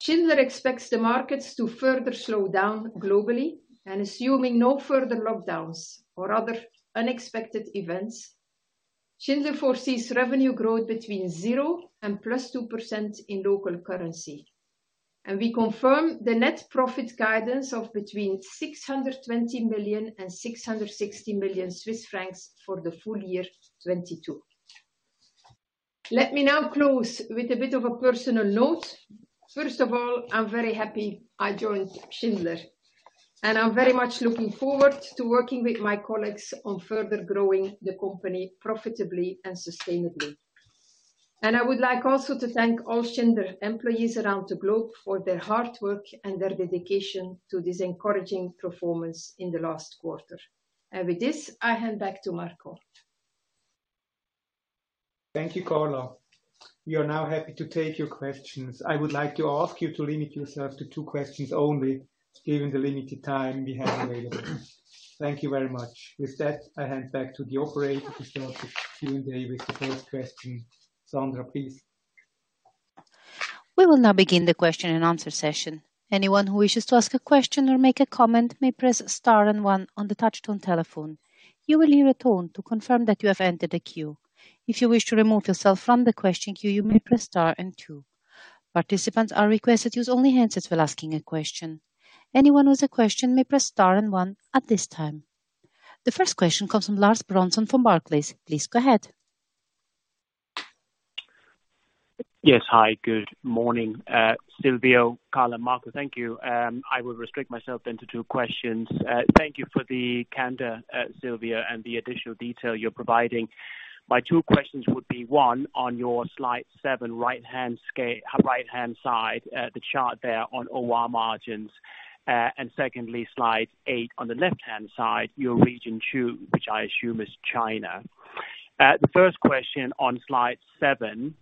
Schindler expects the markets to further slow down globally, and assuming no further lockdowns or other unexpected events, Schindler foresees revenue growth between 0% and +2% in local currency. We confirm the net profit guidance of between 620 million and 660 million Swiss francs for the full year 2022. Let me now close with a bit of a personal note. First of all, I'm very happy I joined Schindler, and I'm very much looking forward to working with my colleagues on further growing the company profitably and sustainably. I would like also to thank all Schindler employees around the globe for their hard work and their dedication to this encouraging performance in the last quarter. With this, I hand back to Marco. Thank you, Carla. We are now happy to take your questions. I would like to ask you to limit yourselves to two questions only, given the limited time we have available. Thank you very much. With that, I hand back to the operator to start the Q&A with the first question. Sandra, please. We will now begin the question and answer session. Anyone who wishes to ask a question or make a comment may press star and one on the touchtone telephone. You will hear a tone to confirm that you have entered the queue. If you wish to remove yourself from the question queue, you may press star and two. Participants are requested to use only handsets while asking a question. Anyone with a question may press star and one at this time. The first question comes from Lars Brorson for Barclays. Please go ahead. Yes. Hi, good morning. Silvio, Carla, Marco, thank you. I will restrict myself then to two questions. Thank you for the candor, Silvio, and the additional detail you're providing. My two questions would be, one, on your Slide 7 right-hand side, the chart there on OI margins. And secondly, S lide 8 on the left-hand side, your region 2, which I assume is China. The first question on Slide 7,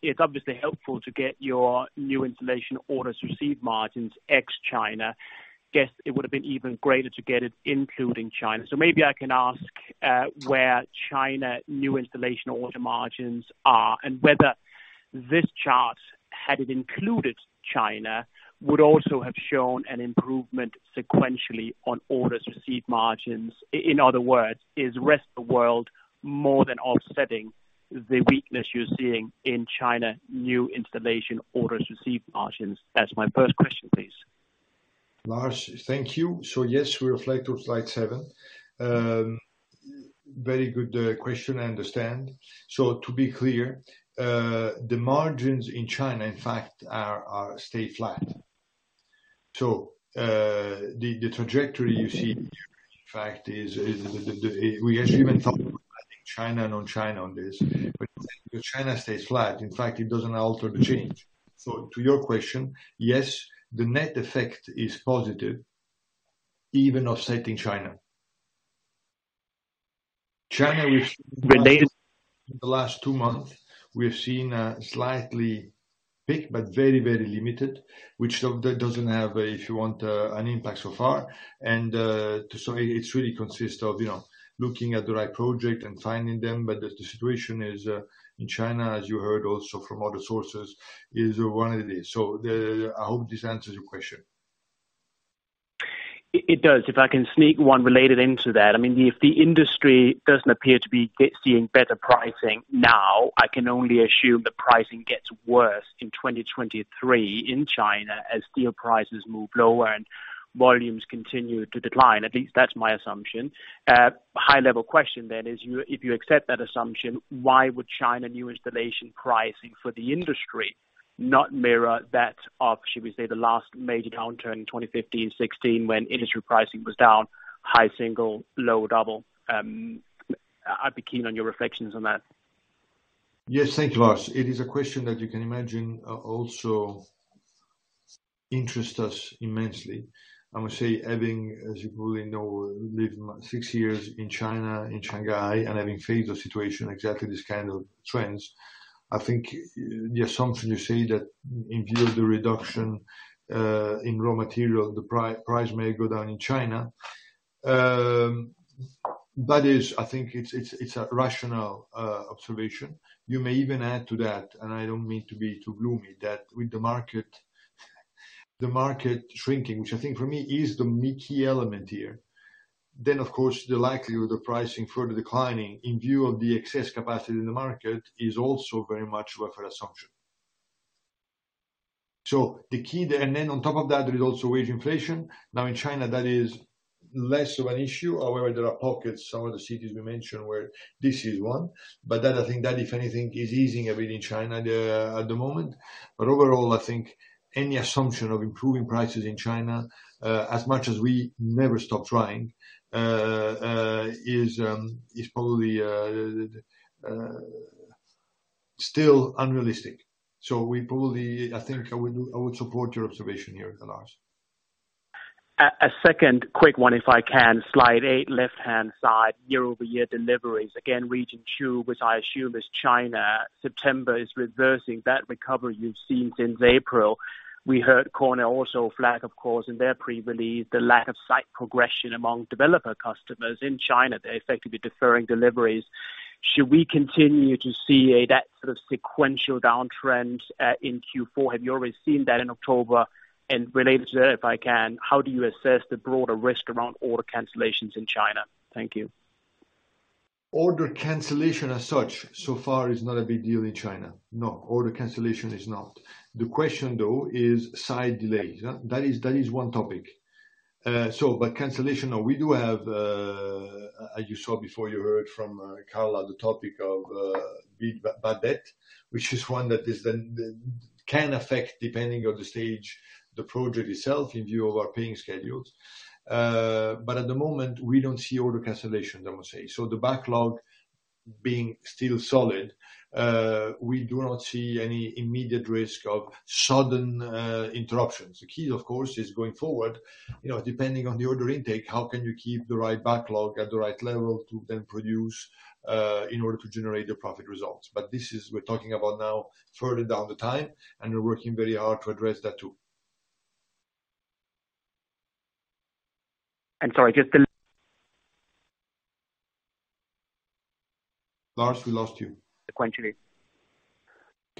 it's obviously helpful to get your new installation orders received margins ex China. Guess it would have been even greater to get it including China. Maybe I can ask, where China new installation order margins are and whether this chart, had it included China, would also have shown an improvement sequentially on orders received margins. In other words, is rest of the world more than offsetting the weakness you're seeing in China new installation orders received margins? That's my first question, please. Lars, thank you. Yes, we refer to Slide 7. Very good question, I understand. To be clear, the margins in China, in fact, are staying flat. The trajectory you see, in fact, is the trajectory. China stays flat. In fact, it doesn't alter the change. To your question, yes, the net effect is positive even offsetting China. Related-. The last two months, we have seen a slightly big but very, very limited, which doesn't have, if you want, an impact so far. It's really consist of, you know, looking at the right project and finding them. The situation is in China, as you heard also from other sources, is one of these. I hope this answers your question. It does. If I can sneak one related into that. I mean, if the industry doesn't appear to be seeing better pricing now, I can only assume the pricing gets worse in 2023 in China as steel prices move lower and volumes continue to decline. At least that's my assumption. High level question then is if you accept that assumption, why would China new installation pricing for the industry not mirror that of, should we say, the last major downturn in 2015, 2016, when industry pricing was down high single, low double? I'd be keen on your reflections on that. Yes, thank you, Lars. It is a question that you can imagine also interests us immensely. I would say, having, as you probably know, lived six years in China, in Shanghai, and having faced a situation exactly this kind of trends, I think the assumption you say that in view of the reduction in raw material, the price may go down in China. That is, I think, it's a rational observation. You may even add to that, and I don't mean to be too gloomy, that with the market shrinking, which I think for me is the key element here, then of course the likelihood of pricing further declining in view of the excess capacity in the market is also very much a fair assumption. The key there and then on top of that, there is also wage inflation. Now in China, that is less of an issue. However, there are pockets, some of the cities we mentioned, where this is one. That, I think, if anything, is easing a bit in China at the moment. Overall, I think any assumption of improving prices in China, as much as we never stop trying, is probably still unrealistic. We probably, I think I would support your observation here, Lars. A second quick one, if I can. Slide 8, left-hand side, year-over-year deliveries. Again, region 2, which I assume is China. September is reversing that recovery you've seen since April. We heard Kone also flag, of course, in their pre-release, the lack of site progression among developer customers in China. They're effectively deferring deliveries. Should we continue to see that sort of sequential downtrend in Q4? Have you already seen that in October? Related to that, if I can, how do you assess the broader risk around order cancellations in China? Thank you. Order cancellation as such so far is not a big deal in China. No, order cancellation is not. The question, though, is site delays. That is one topic. Cancellation, no. We do have, as you saw before, you heard from Carla, the topic of bad debt, which is one that then can affect, depending on the stage, the project itself in view of our payment schedules. But at the moment, we don't see order cancellation, I must say. The backlog being still solid, we do not see any immediate risk of sudden interruptions. The key, of course, is going forward. You know, depending on the order intake, how can you keep the right backlog at the right level to then produce in order to generate the profit results? We're talking about now further down the line, and we're working very hard to address that too. I'm sorry. Lars, we lost you. Sequential.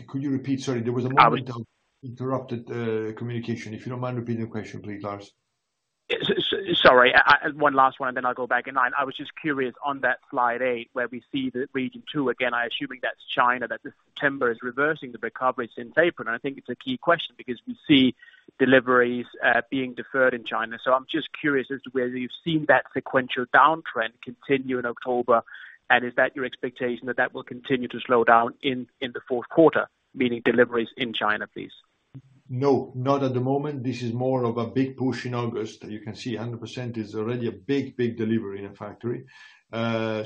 Could you repeat? Sorry, there was a moment that interrupted the communication. If you don't mind repeating the question, please, Lars. Sorry. One last one, and then I'll go back. I was just curious on that Slide 8, where we see the region 2 again, I assuming that's China, that the September is reversing the recovery it's in April. I think it's a key question because we see deliveries being deferred in China. I'm just curious as to whether you've seen that sequential downtrend continue in October, and is that your expectation that that will continue to slow down in the fourth quarter, meaning deliveries in China, please? No, not at the moment. This is more of a big push in August. You can see 100% is already a big delivery in a factory. Sorry,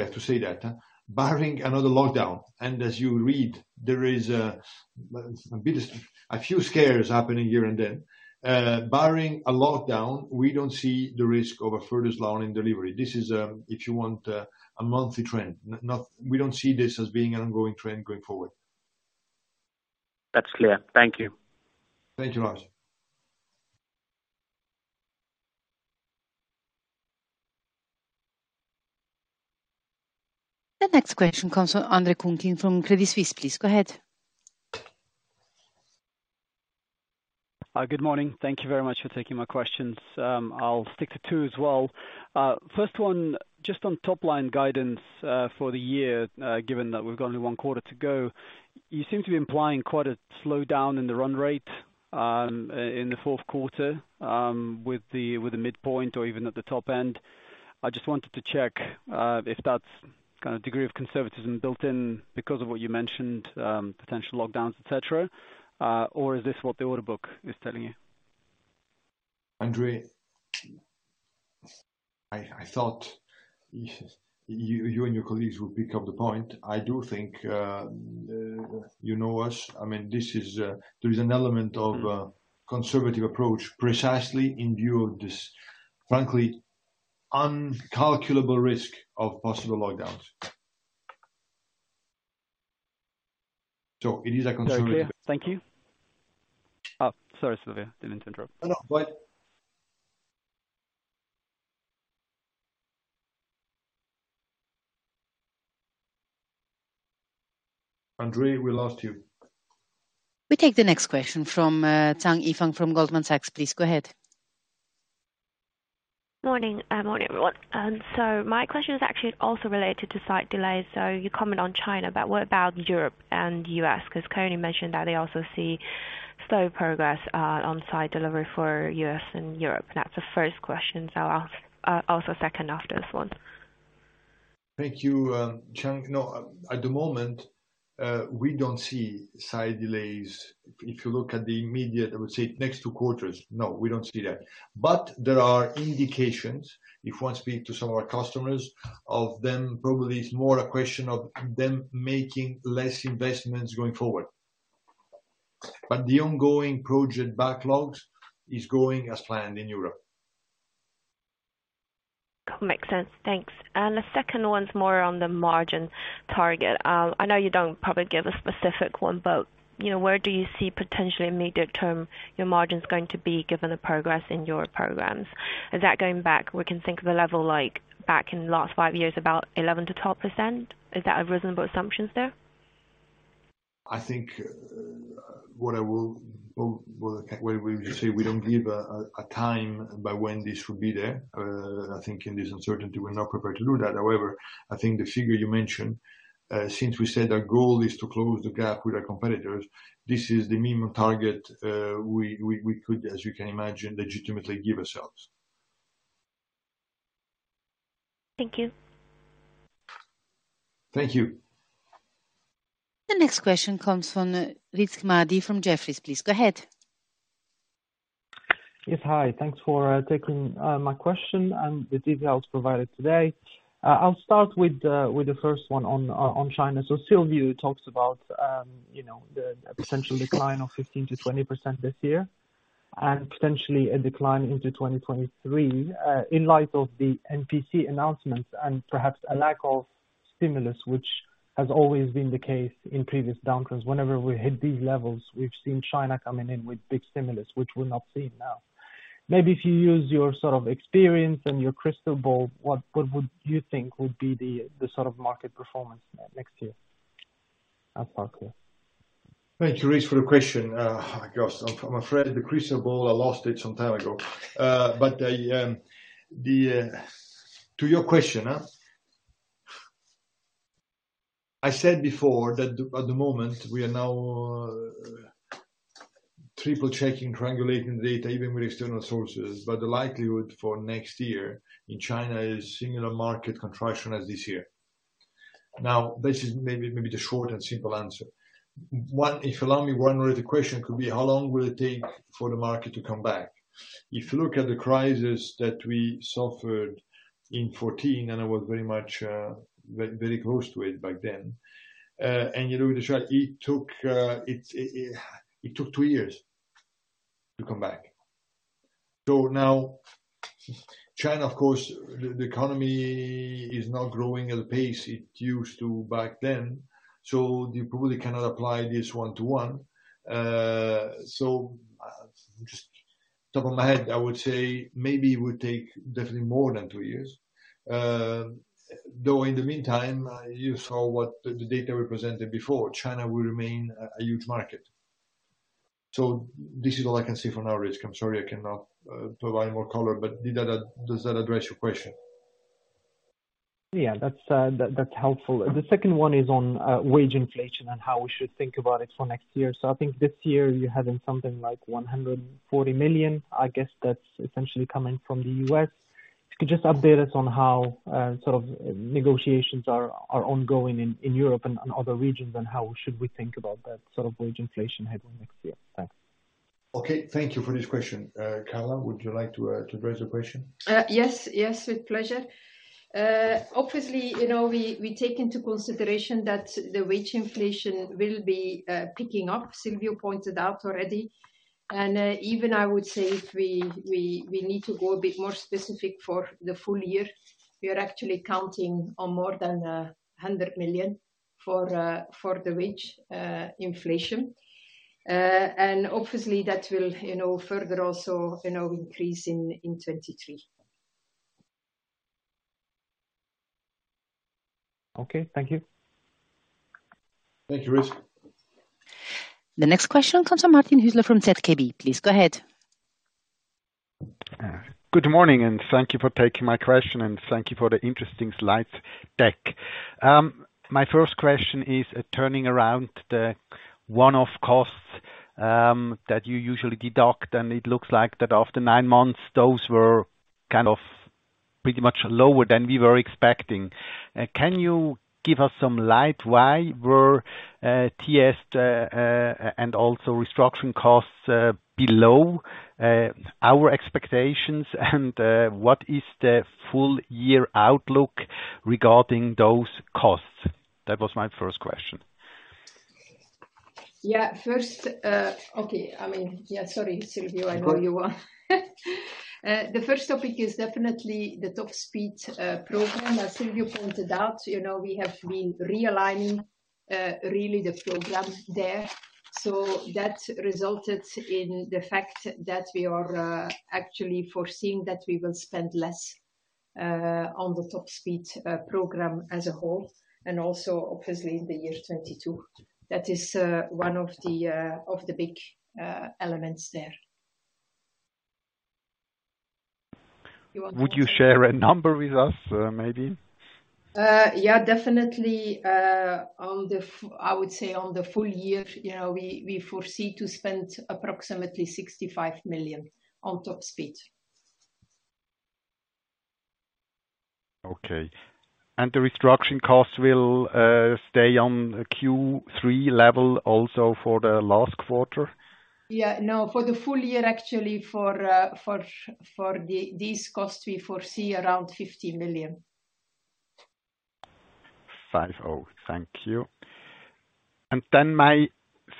I have to say that. Barring another lockdown, and as you read, there is a bit of a few scares happening here and there. Barring a lockdown, we don't see the risk of a further slowing delivery. This is, if you want, a monthly trend. We don't see this as being an ongoing trend going forward. That's clear. Thank you. Thank you, Lars. The next question comes from Andre Kukhnin from Credit Suisse, please go ahead. Good morning. Thank you very much for taking my questions. I'll stick to two as well. First one, just on top line guidance, for the year, given that we've only one quarter to go. You seem to be implying quite a slowdown in the run rate, in the fourth quarter, with the midpoint or even at the top end. I just wanted to check, if that's kind of degree of conservatism built in because of what you mentioned, potential lockdowns, et cetera, or is this what the order book is telling you? Andre, I thought you and your colleagues would pick up the point. I do think, you know us. I mean, there is an element of a conservative approach, precisely in view of this, frankly, incalculable risk of possible lockdowns. It is a conservative-. Very clear. Thank you. Oh, sorry, Silvio. Didn't interrupt. No, no. Go ahead. Andre, we lost you. We take the next question from Yifan Zhang from Goldman Sachs, please go ahead. Morning, everyone. My question is actually also related to site delays. You comment on China, but what about Europe and U.S.? 'Cause Kone mentioned that they also see slow progress on site delivery for U.S. and Europe. That's the first question. I'll ask the second after this one. Thank you, Zhang. No, at the moment, we don't see site delays. If you look at the immediate, I would say next two quarters, no, we don't see that. There are indications, if one speak to some of our customers, of them probably it's more a question of them making less investments going forward. The ongoing project backlogs is going as planned in Europe. Makes sense. Thanks. The second one's more on the margin target. I know you don't probably give a specific one, but, you know, where do you see potentially immediate term your margins going to be given the progress in your programs? Is that going back? We can think of a level like back in the last five years, about 11%-12%. Is that a reasonable assumptions there? We say we don't give a time by when this should be there. I think in this uncertainty we're not prepared to do that. However, I think the figure you mentioned, since we said our goal is to close the gap with our competitors, this is the minimum target we could, as you can imagine, legitimately give ourselves. Thank you. Thank you. The next question comes from, Rizk Maidi from Jefferies, please go ahead. Yes. Hi. Thanks for taking my question and the details provided today. I'll start with the first one on China. Silvio talks about, you know, a potential decline of 15%-20% this year, and potentially a decline into 2023, in light of the CPC announcements and perhaps a lack of stimulus, which has always been the case in previous downturns. Whenever we hit these levels, we've seen China coming in with big stimulus, which we're not seeing now. Maybe if you use your sort of experience and your crystal ball, what would you think would be the sort of market performance next year? I'll start here. Thank you, Rizk, for the question. My gosh, I'm afraid the crystal ball, I lost it some time ago. To your question, I said before that at the moment we are now triple-checking, triangulating data even with external sources, but the likelihood for next year in China is similar market contraction as this year. Now this is maybe the short and simple answer. If you'll allow me, one related question could be how long will it take for the market to come back? If you look at the crisis that we suffered in 2014 and I was very close to it back then. You know, it took two years to come back. Now China, of course, the economy is not growing at the pace it used to back then, so you probably cannot apply this one to one. Just top of my head, I would say maybe it would take definitely more than two years. Though in the meantime, you saw what the data represented before. China will remain a huge market. This is all I can say for now, Rizk. I'm sorry, I cannot provide more color, but does that address your question? Yeah. That's helpful. The second one is on wage inflation and how we should think about it for next year. I think this year you're having something like 140 million. I guess that's essentially coming from the U.S. If you could just update us on how sort of negotiations are ongoing in Europe and other regions, and how should we think about that sort of wage inflation heading next year? Thanks. Okay. Thank you for this question. Carla, would you like to address the question? Yes, with pleasure. Obviously, you know, we take into consideration that the wage inflation will be picking up, Silvio pointed out already. Even I would say if we need to go a bit more specific for the full year. We are actually counting on more than 100 million for the wage inflation. Obviously that will, you know, further also, you know, increase in 2023. Okay. Thank you. Thank you, Rizk. The next question comes from Martin Hüsler from ZKB. Please go ahead. Good morning, and thank you for taking my question, and thank you for the interesting slide deck. My first question is turning to the one-off costs that you usually deduct, and it looks like that after nine months, those were kind of pretty much lower than we were expecting. Can you shed some light on why TS and also restructuring costs were below our expectations, and what is the full year outlook regarding those costs? That was my first question. Yeah. First, okay, I mean, yeah, sorry, Silvio. I know you want the first topic is definitely the Top Speed 23 program that Silvio pointed out. You know, we have been realigning really the program there. That resulted in the fact that we are actually foreseeing that we will spend less on the Top Speed 23 program as a whole and also obviously in the year 2022. That is one of the big elements there. Would you share a number with us, maybe? I would say on the full year, you know, we foresee to spend approximately 65 million on Top Speed 23. Okay. The restructuring costs will stay on Q3 level also for the last quarter? Yeah, no. For the full year, actually, for these costs, we foresee around 50 million. 50. Thank you. Then my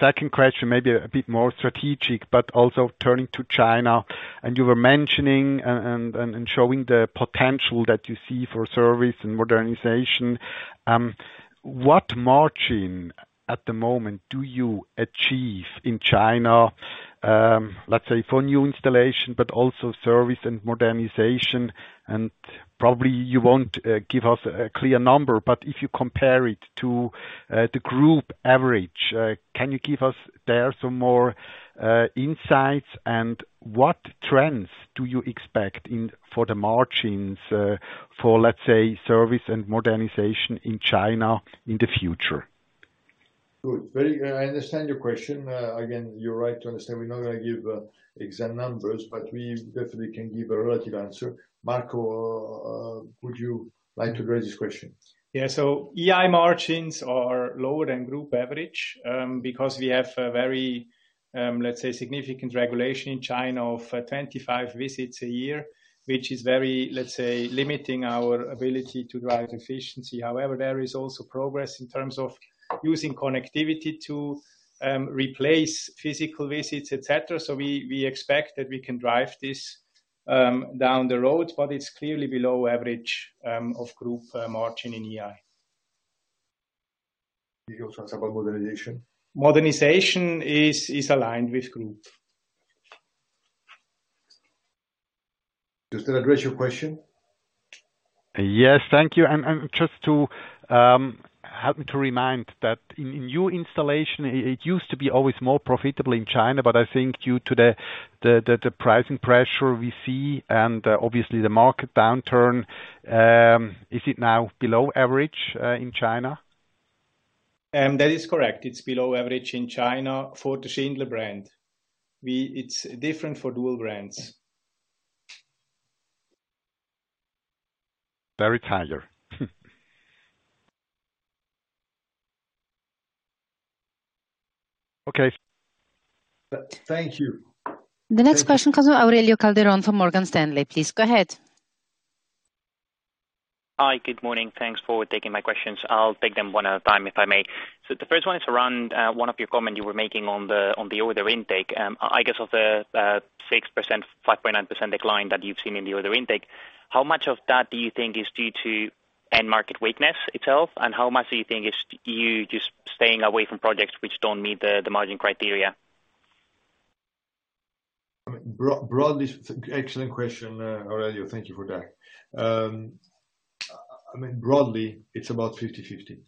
second question may be a bit more strategic, but also turning to China. You were mentioning and showing the potential that you see for service and modernization. What margin at the moment do you achieve in China, let's say for new installation, but also service and modernization? Probably you won't give us a clear number, but if you compare it to the group average, can you give us there some more insights? What trends do you expect for the margins for, let's say, service and modernization in China in the future? Good. Very good. I understand your question. Again, you're right to understand we're not gonna give exact numbers, but we definitely can give a relative answer. Marco, would you like to address this question? Yeah. EI margins are lower than group average, because we have a very, let's say, significant regulation in China of 25 visits a year, which is very, let's say, limiting our ability to drive efficiency. However, there is also progress in terms of using connectivity to replace physical visits, et cetera. We expect that we can drive this down the road, but it's clearly below average of group margin in EI. Did you also ask about modernization? Modernization is aligned with group. Does that address your question? Yes. Thank you. Just to help me to remind that in new installation, it used to be always more profitable in China, but I think due to the pricing pressure we see and obviously the market downturn, is it now below average in China? That is correct. It's below average in China for the Schindler brand. It's different for dual brands. Very tired. Okay. Thank you. The next question comes from Aurelio Calderon from Morgan Stanley. Please go ahead. Hi. Good morning. Thanks for taking my questions. I'll take them one at a time, if I may. The first one is around one of your comment you were making on the order intake. I guess of the 6%, 5.9% decline that you've seen in the order intake, how much of that do you think is due to end market weakness itself? How much do you think is you just staying away from projects which don't meet the margin criteria? Broadly, excellent question, Aurelio. Thank you for that. I mean, broadly, it's about 50/50.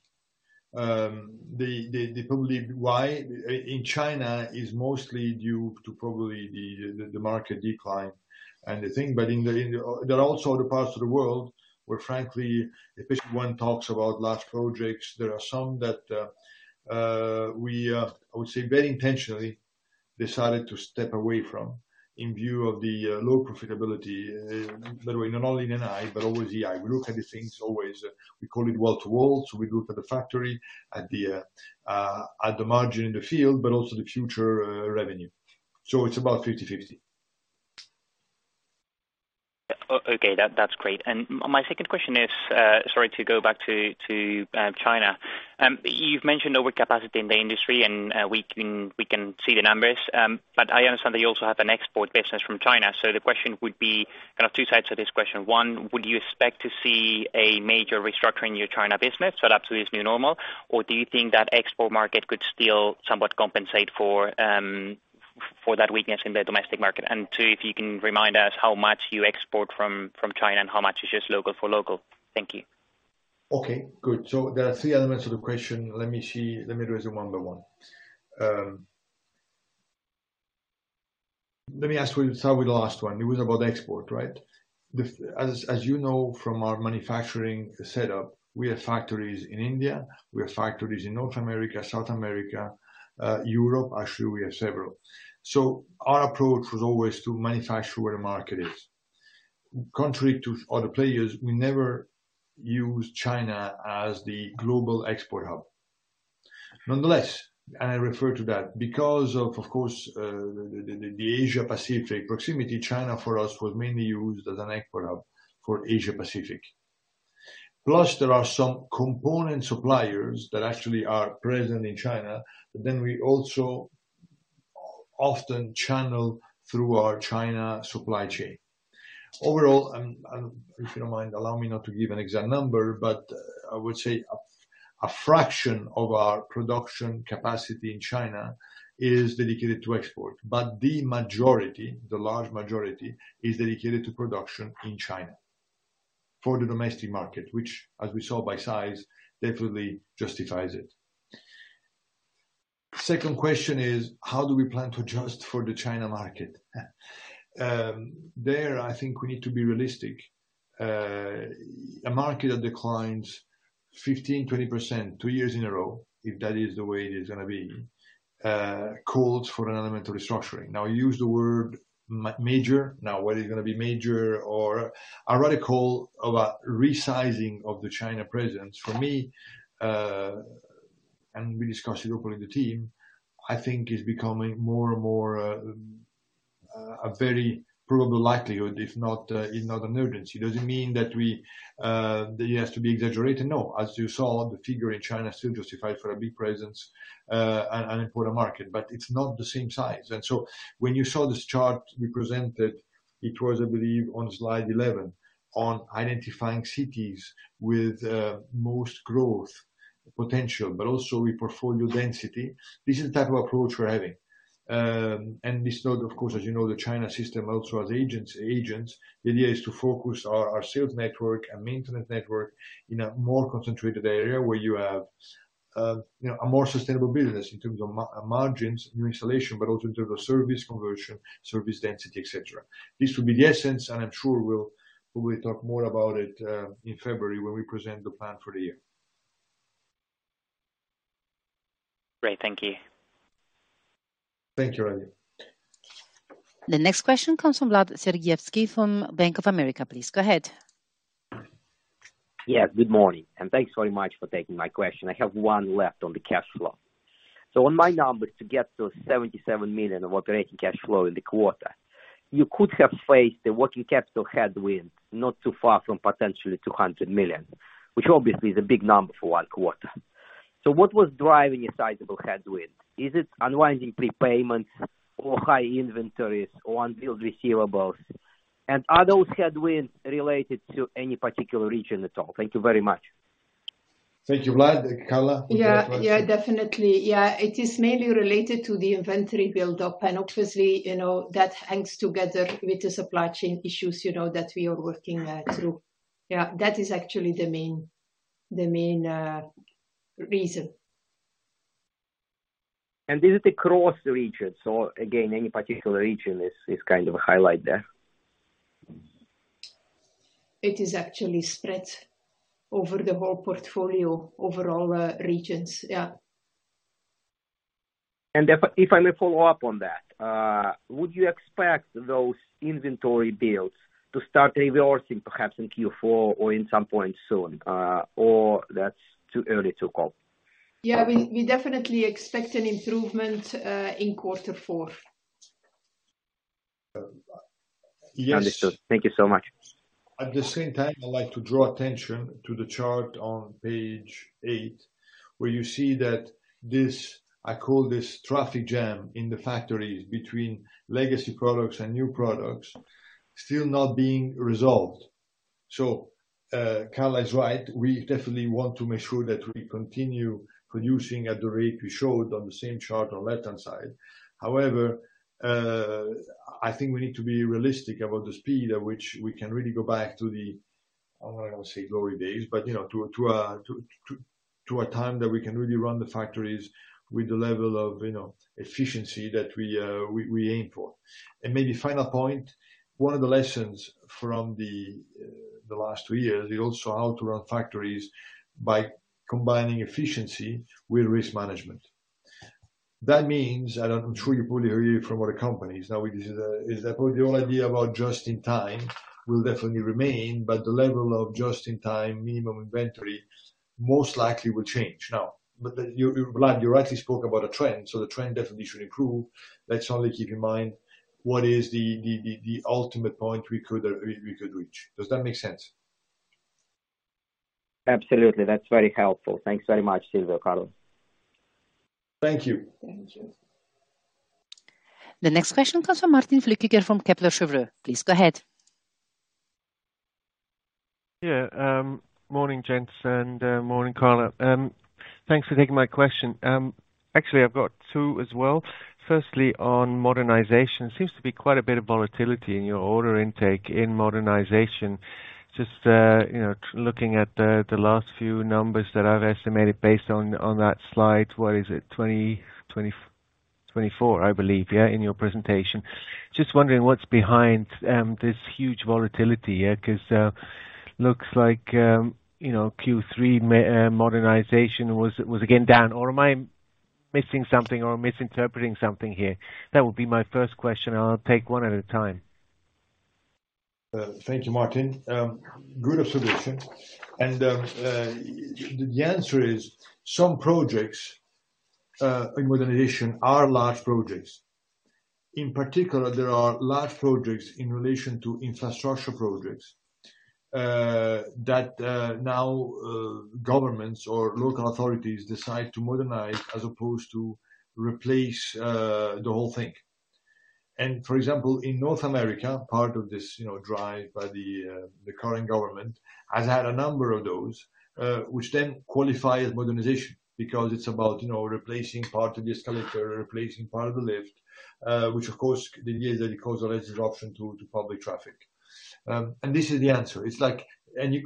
That's probably why in China is mostly due to the market decline and the thing. But there are also other parts of the world where, frankly, if one talks about large projects, there are some that we very intentionally decided to step away from in view of the low profitability, by the way not only in NI but also EI. We look at the things always. We call it wall-to-wall. We look at the factory, at the margin in the field, but also the future revenue. It's about 50/50. Okay, that's great. My second question is, sorry, to go back to China. You've mentioned overcapacity in the industry, and we can see the numbers. But I understand that you also have an export business from China. The question would be kind of two sides to this question. One, would you expect to see a major restructuring your China business set up to this new normal? Or do you think that export market could still somewhat compensate for that weakness in the domestic market? Two, if you can remind us how much you export from China and how much is just local for local. Thank you. Okay, good. There are three elements to the question. Let me see. Let me do it one by one. Let me start with the last one. It was about export, right? As you know from our manufacturing setup, we have factories in India, we have factories in North America, South America, Europe, actually, we have several. Our approach was always to manufacture where the market is. Contrary to other players, we never used China as the global export hub. Nonetheless, I refer to that because of course, the Asia Pacific proximity, China for us was mainly used as an export hub for Asia Pacific. Plus, there are some component suppliers that actually are present in China that then we also often channel through our China supply chain. Overall, if you don't mind, allow me not to give an exact number, but I would say a fraction of our production capacity in China is dedicated to export, but the majority, the large majority is dedicated to production in China for the domestic market, which as we saw by size, definitely justifies it. Second question is how do we plan to adjust for the China market? There, I think we need to be realistic. A market that declines 15%-20% two years in a row, if that is the way it is gonna be, calls for a fundamental restructuring. Now, you use the word major. Now, whether it's gonna be a major or radical resizing of the China presence, for me, and we discussed it openly with the team, I think is becoming more and more a very probable likelihood, if not an urgency. It doesn't mean that it has to be exaggerated. No. As you saw, the figure in China still justifies a big presence and important market, but it's not the same size. When you saw this chart we presented, it was, I believe, on Slide 11 on identifying cities with most growth potential, but also with portfolio density. This is the type of approach we're having. In this note, of course, as you know, the China system also has agents. The idea is to focus our sales network and maintenance network in a more concentrated area where you have a more sustainable business in terms of margins, new installation, but also in terms of service conversion, service density, et cetera. This would be the essence, and I'm sure we'll talk more about it in February when we present the plan for the year. Great. Thank you. Thank you, Aurelio. The next question comes from Vladimir Sergievskiy from Bank of America. Please go ahead. Yeah. Good morning, and thanks very much for taking my question. I have one left on the cash flow. On my numbers, to get to 77 million of operating cash flow in the quarter, you could have faced a working capital headwind not too far from potentially 200 million, which obviously is a big number for one quarter. What was driving a sizable headwind? Is it unwinding prepayments or high inventories or unbilled receivables? Are those headwinds related to any particular region at all? Thank you very much. Thank you, Vlad. Carla? Yeah. Yeah, definitely. Yeah. It is mainly related to the inventory buildup. Obviously, you know, that hangs together with the supply chain issues, you know, that we are working through. Yeah, that is actually the main reason. Is it across the regions or again, any particular region is kind of a highlight there? It is actually spread over the whole portfolio, over all regions. Yeah. If I may follow up on that, would you expect those inventory builds to start reversing perhaps in Q4 or at some point soon? Or that's too early to call? Yeah. We definitely expect an improvement in quarter four. Yes. Understood. Thank you so much. At the same time, I'd like to draw attention to the chart on Page 8, where you see that this, I call this traffic jam in the factories between legacy products and new products still not being resolved. Carla is right, we definitely want to make sure that we continue producing at the rate we showed on the same chart on left-hand side. However, I think we need to be realistic about the speed at which we can really go back to the, I don't wanna say glory days, but, you know, to a time that we can really run the factories with the level of, you know, efficiency that we aim for. Maybe final point, one of the lessons from the last two years is also how to run factories by combining efficiency with risk management. That means, I'm sure you probably hear it from other companies, now is that probably the old idea about just in time will definitely remain, but the level of just in time minimum inventory most likely will change. Now, but then you—Vlad, you rightly spoke about a trend, so the trend definitely should improve. Let's only keep in mind what is the ultimate point we could reach. Does that make sense? Absolutely. That's very helpful. Thanks very much, Silvio, Carla. Thank you. Thank you. The next question comes from Martin Flueckiger from Kepler Cheuvreux. Please go ahead. Yeah. Morning, gents, and morning, Carla. Thanks for taking my question. Actually, I've got two as well. Firstly, on modernization. Seems to be quite a bit of volatility in your order intake in modernization. Just, you know, looking at the last few numbers that I've estimated based on that slide, what is it? 2024, I believe, yeah, in your presentation. Just wondering what's behind this huge volatility, yeah, 'cause looks like, you know, Q3 modernization was again down, or am I missing something or misinterpreting something here? That would be my first question. I'll take one at a time. Thank you, Martin. Good observation. The answer is some projects in modernization are large projects. In particular, there are large projects in relation to infrastructure projects that now governments or local authorities decide to modernize as opposed to replace the whole thing. For example, in North America, part of this, you know, drive by the current government has had a number of those which then qualify as modernization because it's about, you know, replacing part of the escalator, replacing part of the lift, which of course then gives and causes less disruption to public traffic. This is the answer. It's like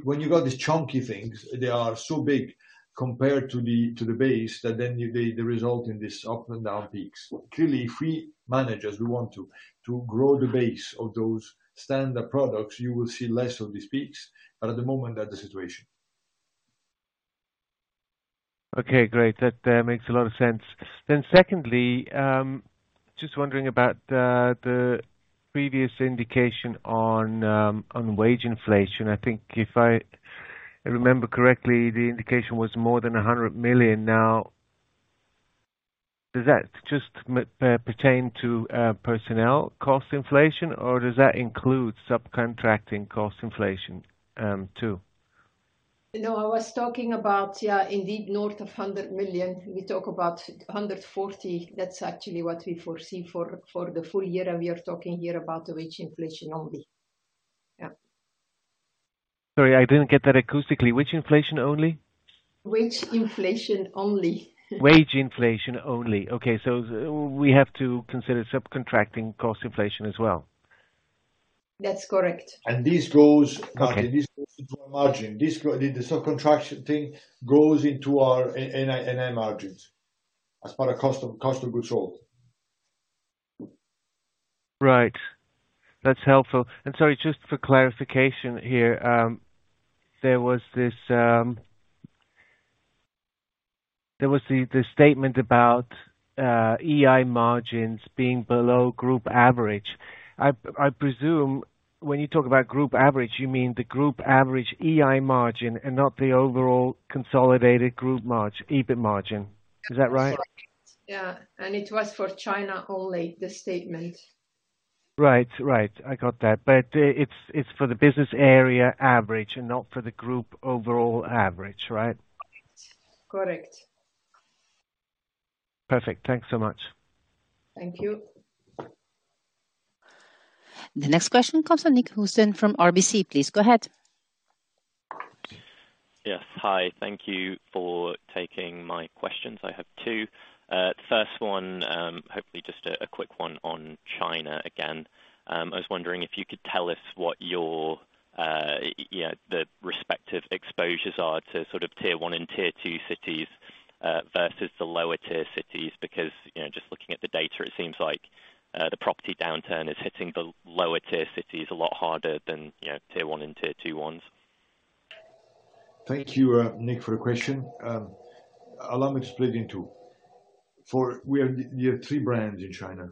when you got these chunky things, they are so big compared to the base that then they result in this up and down peaks. Clearly, if we manage as we want to grow the base of those standard products, you will see less of these peaks. At the moment, that's the situation. Okay, great. That makes a lot of sense. Secondly, just wondering about the previous indication on wage inflation. I think if I remember correctly, the indication was more than 100 million now. Does that just pertain to personnel cost inflation, or does that include subcontracting cost inflation, too? No, I was talking about, yeah, indeed, north of 100 million. We talk about 140. That's actually what we foresee for the full year, and we are talking here about the wage inflation only. Yeah. Sorry, I didn't get that acoustically. Which inflation only? Wage inflation only. Wage inflation only. Okay. We have to consider subcontracting cost inflation as well. That's correct. And this goes-. Okay. Martin, this goes into our margin. The subcontracting goes into our NI margins as part of custom goods sold. Right. That's helpful. Sorry, just for clarification here. There was the statement about OI margins being below group average. I presume when you talk about group average, you mean the group average OI margin and not the overall consolidated group EBIT margin. Is that right? That's right. Yeah. It was for China only, the statement. Right. I got that. It's for the business area average and not for the group overall average, right? Correct. Perfect. Thanks so much. Thank you. The next question comes from Nick Housden from RBC. Please go ahead. Yes. Hi. Thank you for taking my questions. I have two. The first one, hopefully just a quick one on China again. I was wondering if you could tell us what your, you know, the respective exposures are to sort of Tier 1 and Tier 2 cities, versus the lower Tier cities, because, you know, just looking at the data, it seems like the property downturn is hitting the lower Tier cities a lot harder than, you know, Tier 1 and Tier 2 ones. Thank you, Nick, for your question. Allow me to split in two. We have nearly three brands in China,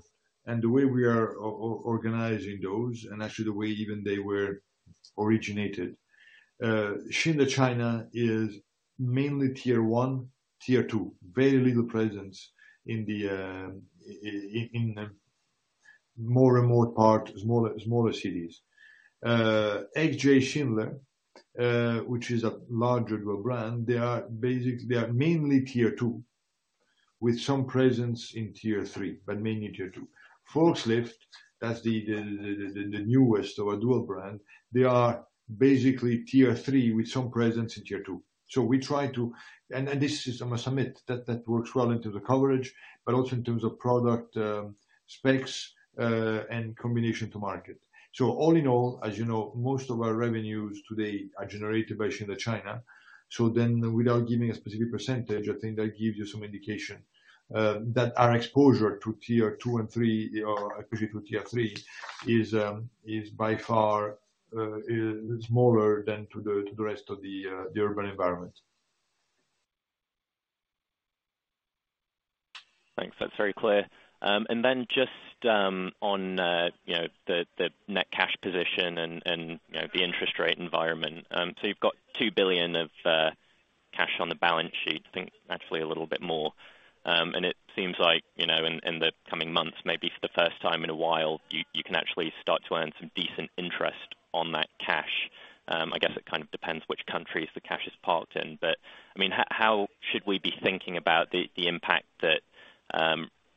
and the way we are organizing those, and actually the way even they were originated. Schindler China is mainly Tier 1, Tier 2, very little presence in the in more remote part, smaller cities. Jardine Schindler, which is a larger dual brand, they are mainly Tier 2 with some presence in Tier 3, but mainly Tier 2. Volkslift, that's the newest of our dual brand. They are basically Tier 3 with some presence in Tier 2. We try to. This is, I must admit, that works well into the coverage, but also in terms of product specs, and combination to market. All in all, as you know, most of our revenues today are generated by Schindler China. Without giving a specific percentage, I think that gives you some indication that our exposure to Tier 2 and Tier 3 or actually to Tier 3 is by far smaller than to the rest of the urban environment. Thanks. That's very clear. Just on you know the net cash position and you know the interest rate environment. You've got 2 billion of cash on the balance sheet, I think actually a little bit more. It seems like you know in the coming months, maybe for the first time in a while, you can actually start to earn some decent interest on that cash. I guess it kind of depends which countries the cash is parked in. I mean, how should we be thinking about the impact that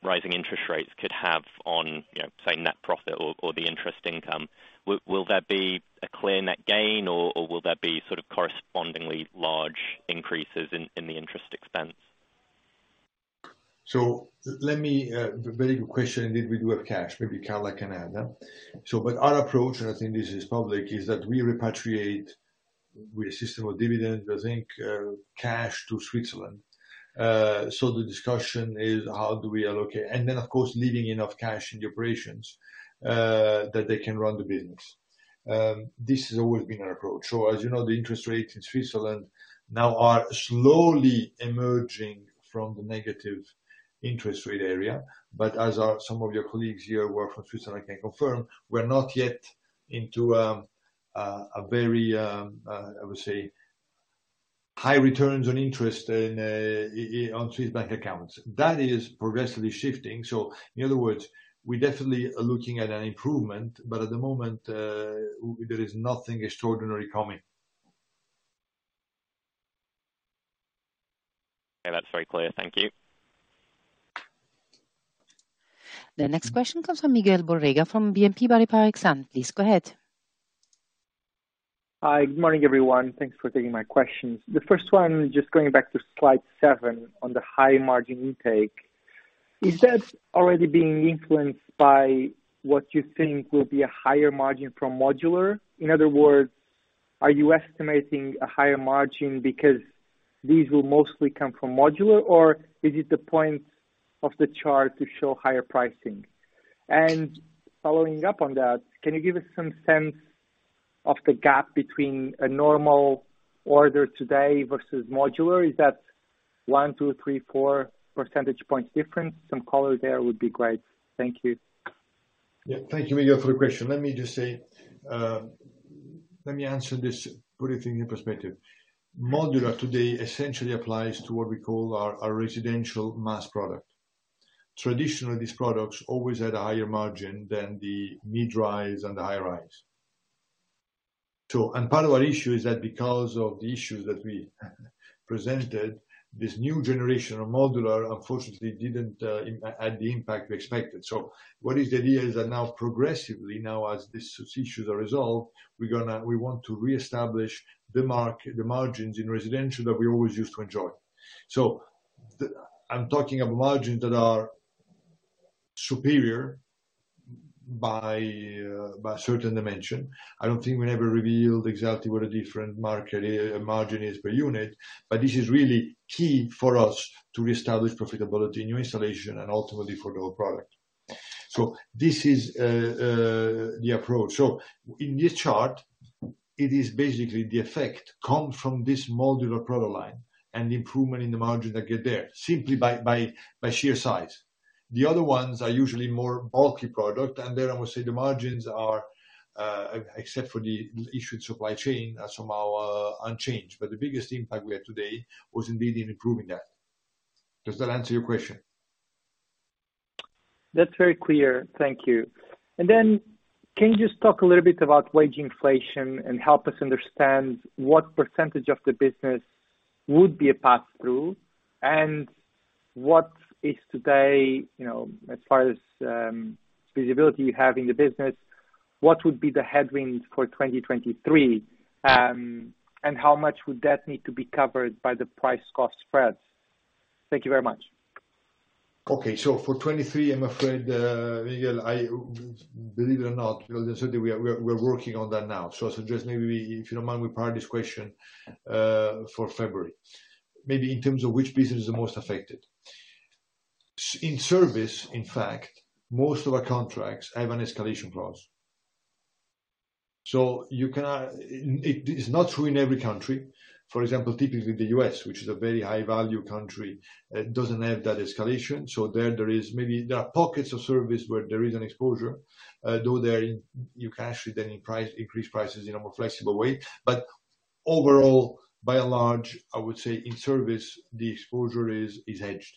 rising interest rates could have on you know say net profit or the interest income? Will there be a clear net gain or will there be sort of correspondingly large increases in the interest expense? Let me very good question. Indeed we do have cash. Maybe Carla can add. But our approach, and I think this is public, is that we repatriate with a system of dividend, I think, cash to Switzerland. The discussion is how do we allocate. Then of course, leaving enough cash in the operations that they can run the business. This has always been our approach. As you know, the interest rates in Switzerland now are slowly emerging from the negative interest rate area. But as some of your colleagues here who are from Switzerland can confirm, we're not yet into a very, I would say high returns on interest on Swiss bank accounts. That is progressively shifting. In other words, we definitely are looking at an improvement, but at the moment, there is nothing extraordinary coming. Yeah, that's very clear. Thank you. The next question comes from Miguel Borrega from BNP Paribas Exane. Please go ahead. Hi, good morning, everyone. Thanks for taking my questions. The first one, just going back to Slide 7 on the high margin intake. Is that already being influenced by what you think will be a higher margin from modular? In other words, are you estimating a higher margin because these will mostly come from modular, or is it the point of the chart to show higher pricing? Following up on that, can you give us some sense of the gap between a normal order today versus modular? Is that one, two, three, four percentage points different? Some color there would be great. Thank you. Yeah. Thank you, Miguel, for the question. Let me just say, let me answer this, put it in perspective. Modular today essentially applies to what we call our residential mass product. Traditionally, these products always had a higher margin than the mid-rise and the high-rise. Part of our issue is that because of the issues that we presented, this new generation of modular unfortunately didn't have the impact we expected. What is the idea is that now progressively now as these issues are resolved, we want to reestablish the margins in residential that we always used to enjoy. I'm talking about margins that are superior by a certain dimension. I don't think we never revealed exactly what a different market margin is per unit, but this is really key for us to reestablish profitability in new installation and ultimately for the whole product. This is the approach. In this chart, it is basically the effect come from this modular product line and the improvement in the margin that get there simply by sheer size. The other ones are usually more bulky product, and there I would say the margins are, except for the disrupted supply chain, somehow unchanged. The biggest impact we have today was indeed in improving that. Does that answer your question? That's very clear. Thank you. Can you just talk a little bit about wage inflation and help us understand what percentage of the business would be a pass-through? What is today, you know, as far as visibility you have in the business, what would be the headwinds for 2023? How much would that need to be covered by the price cost spreads? Thank you very much. For 2023, I'm afraid, Miguel, believe it or not, because certainly we're working on that now. I suggest maybe if you don't mind, we park this question for February. Maybe in terms of which business is the most affected. In service, in fact, most of our contracts have an escalation clause. You cannot. It is not true in every country. For example, typically the U.S., which is a very high value country, doesn't have that escalation. There is maybe there are pockets of service where there is an exposure, though you can actually then increase prices in a more flexible way. But overall, by and large, I would say in service, the exposure is hedged.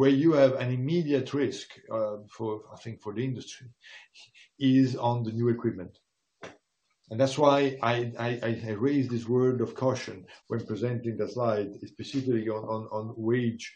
Where you have an immediate risk, for I think for the industry is on the new equipment. That's why I raised this word of caution when presenting the slide, specifically on wage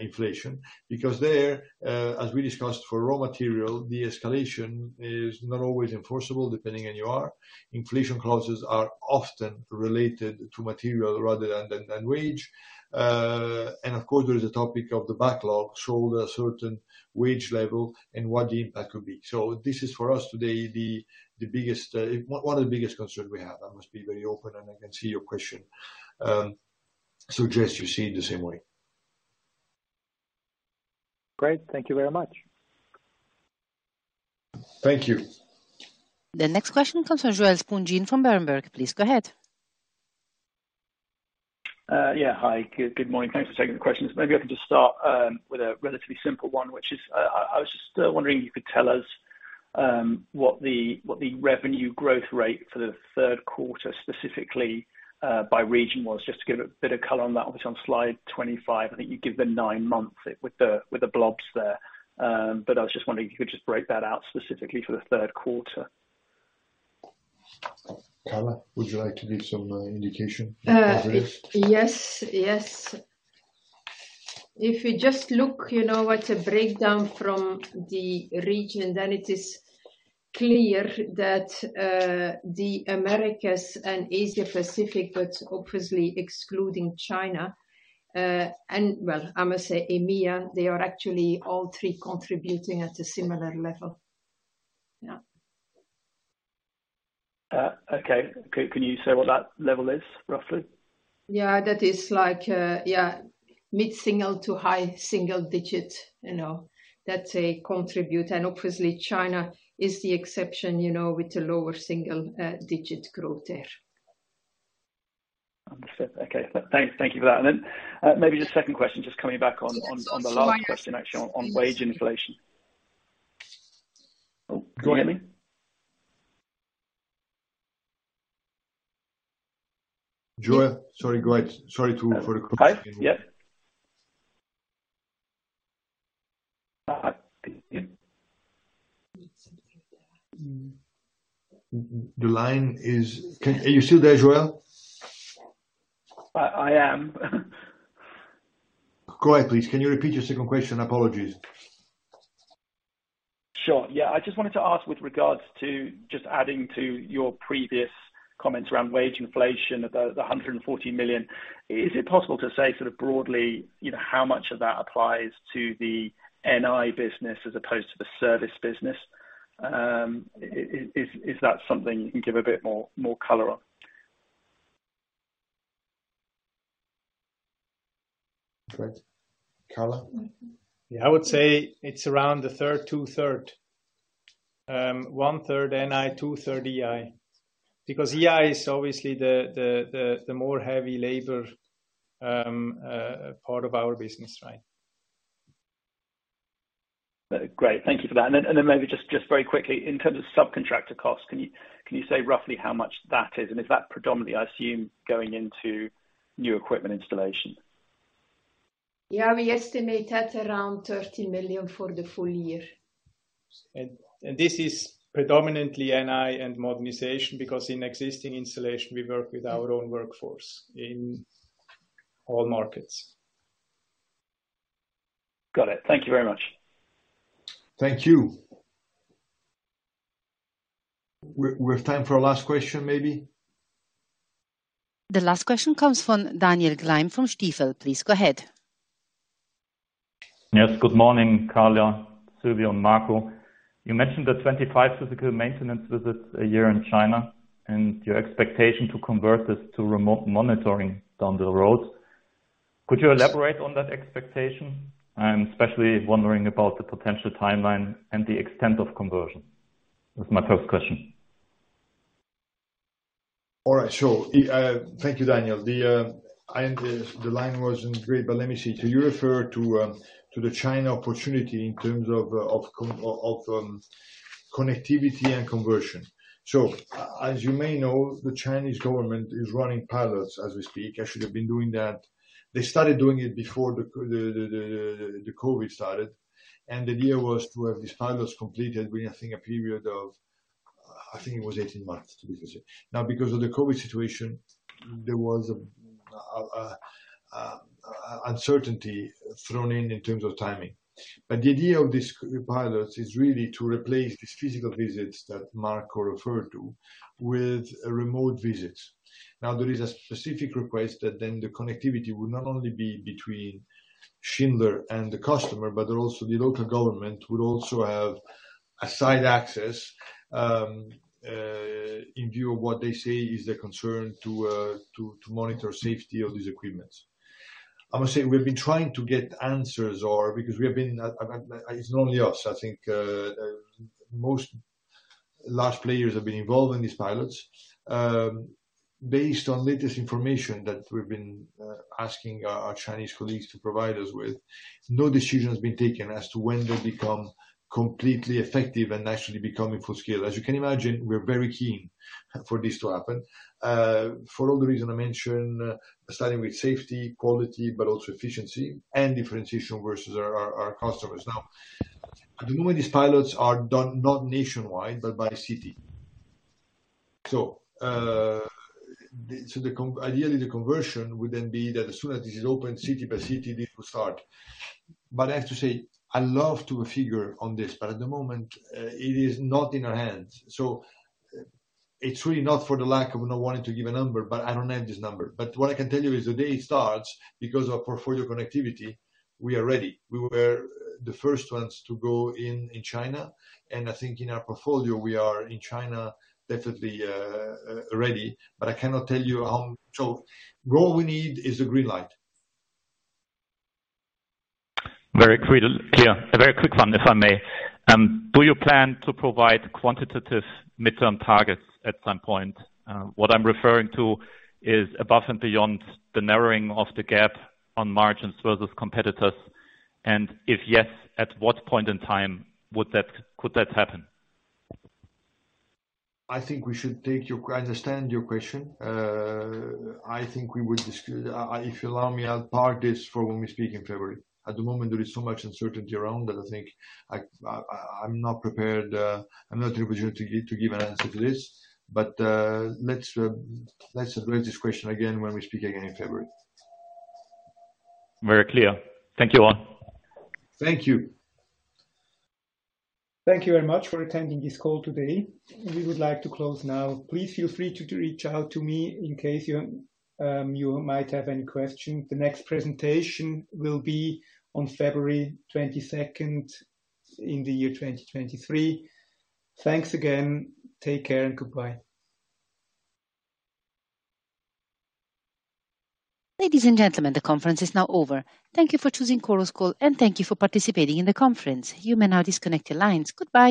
inflation, because there, as we discussed for raw material, the escalation is not always enforceable, depending on where you are. Inflation clauses are often related to material rather than wage. Of course, there is a topic of the backlog, so a certain wage level and what the impact could be. This is for us today, the biggest, one of the biggest concerns we have. I must be very open, and I can see your question suggests you see it the same way. Great. Thank you very much. Thank you. The next question from Joel Spungin from Berenberg. Please go ahead. Hi. Good morning. Thanks for taking the questions. Maybe I can just start with a relatively simple one, which is, I was just wondering if you could tell us what the revenue growth rate for the third quarter, specifically, by region was. Just to give a bit of color on that. Obviously on Slide 25, I think you give the nine-month with the blobs there. I was just wondering if you could just break that out specifically for the third quarter. Carla, would you like to give some indication of this? Yes, yes. If we just look, you know, at a breakdown from the region, then it is clear that the Americas and Asia Pacific, but obviously excluding China, and, well, I must say, EMEA, they are actually all three contributing at a similar level. Yeah. Okay. Can you say what that level is, roughly? Yeah. That is like mid-single-digit to high-single-digit, you know, that they contribute. Obviously China is the exception, you know, with the lower single-digit growth there. Understood. Okay. Thank you for that. Maybe just second question, just coming back on the last question actually on wage inflation. Oh, can you hear me? Joel. Sorry, go ahead. Sorry to interrupt. Hi. Yeah. Are you still there, Joel? I am. Go ahead, please. Can you repeat your second question? Apologies. Sure. Yeah. I just wanted to ask with regards to just adding to your previous comments around wage inflation, about the 140 million. Is it possible to say sort of broadly, you know, how much of that applies to the NI business as opposed to the service business? Is that something you can give a bit more color on? Great. Carla. Mm-hmm. Yeah. I would say it's around 2/3, 1/3 NI, 2/3 EI. Because EI is obviously the more heavy labor part of our business. Right? Great. Thank you for that. Maybe just very quickly, in terms of subcontractor costs, can you say roughly how much that is? Is that predominantly, I assume, going into new equipment installation? Yeah. We estimate that around 13 million for the full year. This is predominantly NI and modernization because in existing installation, we work with our own workforce in all markets. Got it. Thank you very much. Thank you. We've time for a last question, maybe. The last question comes from Daniel Gleim, from Stifel. Please go ahead. Yes. Good morning, Carla, Silvio, and Marco. You mentioned the 25 physical maintenance visits a year in China and your expectation to convert this to remote monitoring down the road. Could you elaborate on that expectation? I'm especially wondering about the potential timeline and the extent of conversion. That's my first question. All right. Sure. Thank you, Daniel. I understand the line wasn't great, but let me see. Do you refer to the China opportunity in terms of connectivity and conversion? As you may know, the Chinese government is running pilots as we speak. I should have been doing that. They started doing it before the COVID started. The deal was to have these pilots completed within, I think, a period of, I think it was 18-months, to be precise. Now, because of the COVID situation, there was uncertainty thrown in in terms of timing. The idea of these pilots is really to replace these physical visits that Marco referred to with remote visits. Now, there is a specific request that then the connectivity will not only be between Schindler and the customer, but also the local government will also have a side access. In view of what they say is their concern to monitor safety of these equipments. I must say we've been trying to get answers or because we have been it's not only us, I think, most large players have been involved in these pilots. Based on latest information that we've been asking our Chinese colleagues to provide us with, no decision has been taken as to when they'll become completely effective and actually becoming full-scale. As you can imagine, we're very keen for this to happen, for all the reason I mentioned, starting with safety, quality, but also efficiency and differentiation versus our customers. Now, at the moment these pilots are done not nationwide, but by city. Ideally the conversion would then be that as soon as this is open city by city, it will start. I have to say, I'd love to give a figure on this, but at the moment, it is not in our hands. It's really not for the lack of not wanting to give a number, but I don't have this number. What I can tell you is the day it starts, because of portfolio connectivity, we are ready. We were the first ones to go in China, and I think in our portfolio, we are in China, definitely, ready. I cannot tell you how. All we need is a green light. Very clear. A very quick one, if I may. Do you plan to provide quantitative midterm targets at some point? What I'm referring to is above and beyond the narrowing of the gap on margins versus competitors. If yes, at what point in time could that happen? I understand your question. I think we would, if you allow me, I'll park this for when we speak in February. At the moment, there is so much uncertainty around that I think I'm not prepared, I'm not in a position to give an answer to this. Let's address this question again when we speak again in February. Very clear. Thank you all. Thank you. Thank you very much for attending this call today. We would like to close now. Please feel free to reach out to me in case you might have any questions. The next presentation will be on February 22, 2023. Thanks again. Take care and goodbye. Ladies and gentlemen, the conference is now over. Thank you for choosing Chorus Call, and thank you for participating in the conference. You may now disconnect your lines. Goodbye.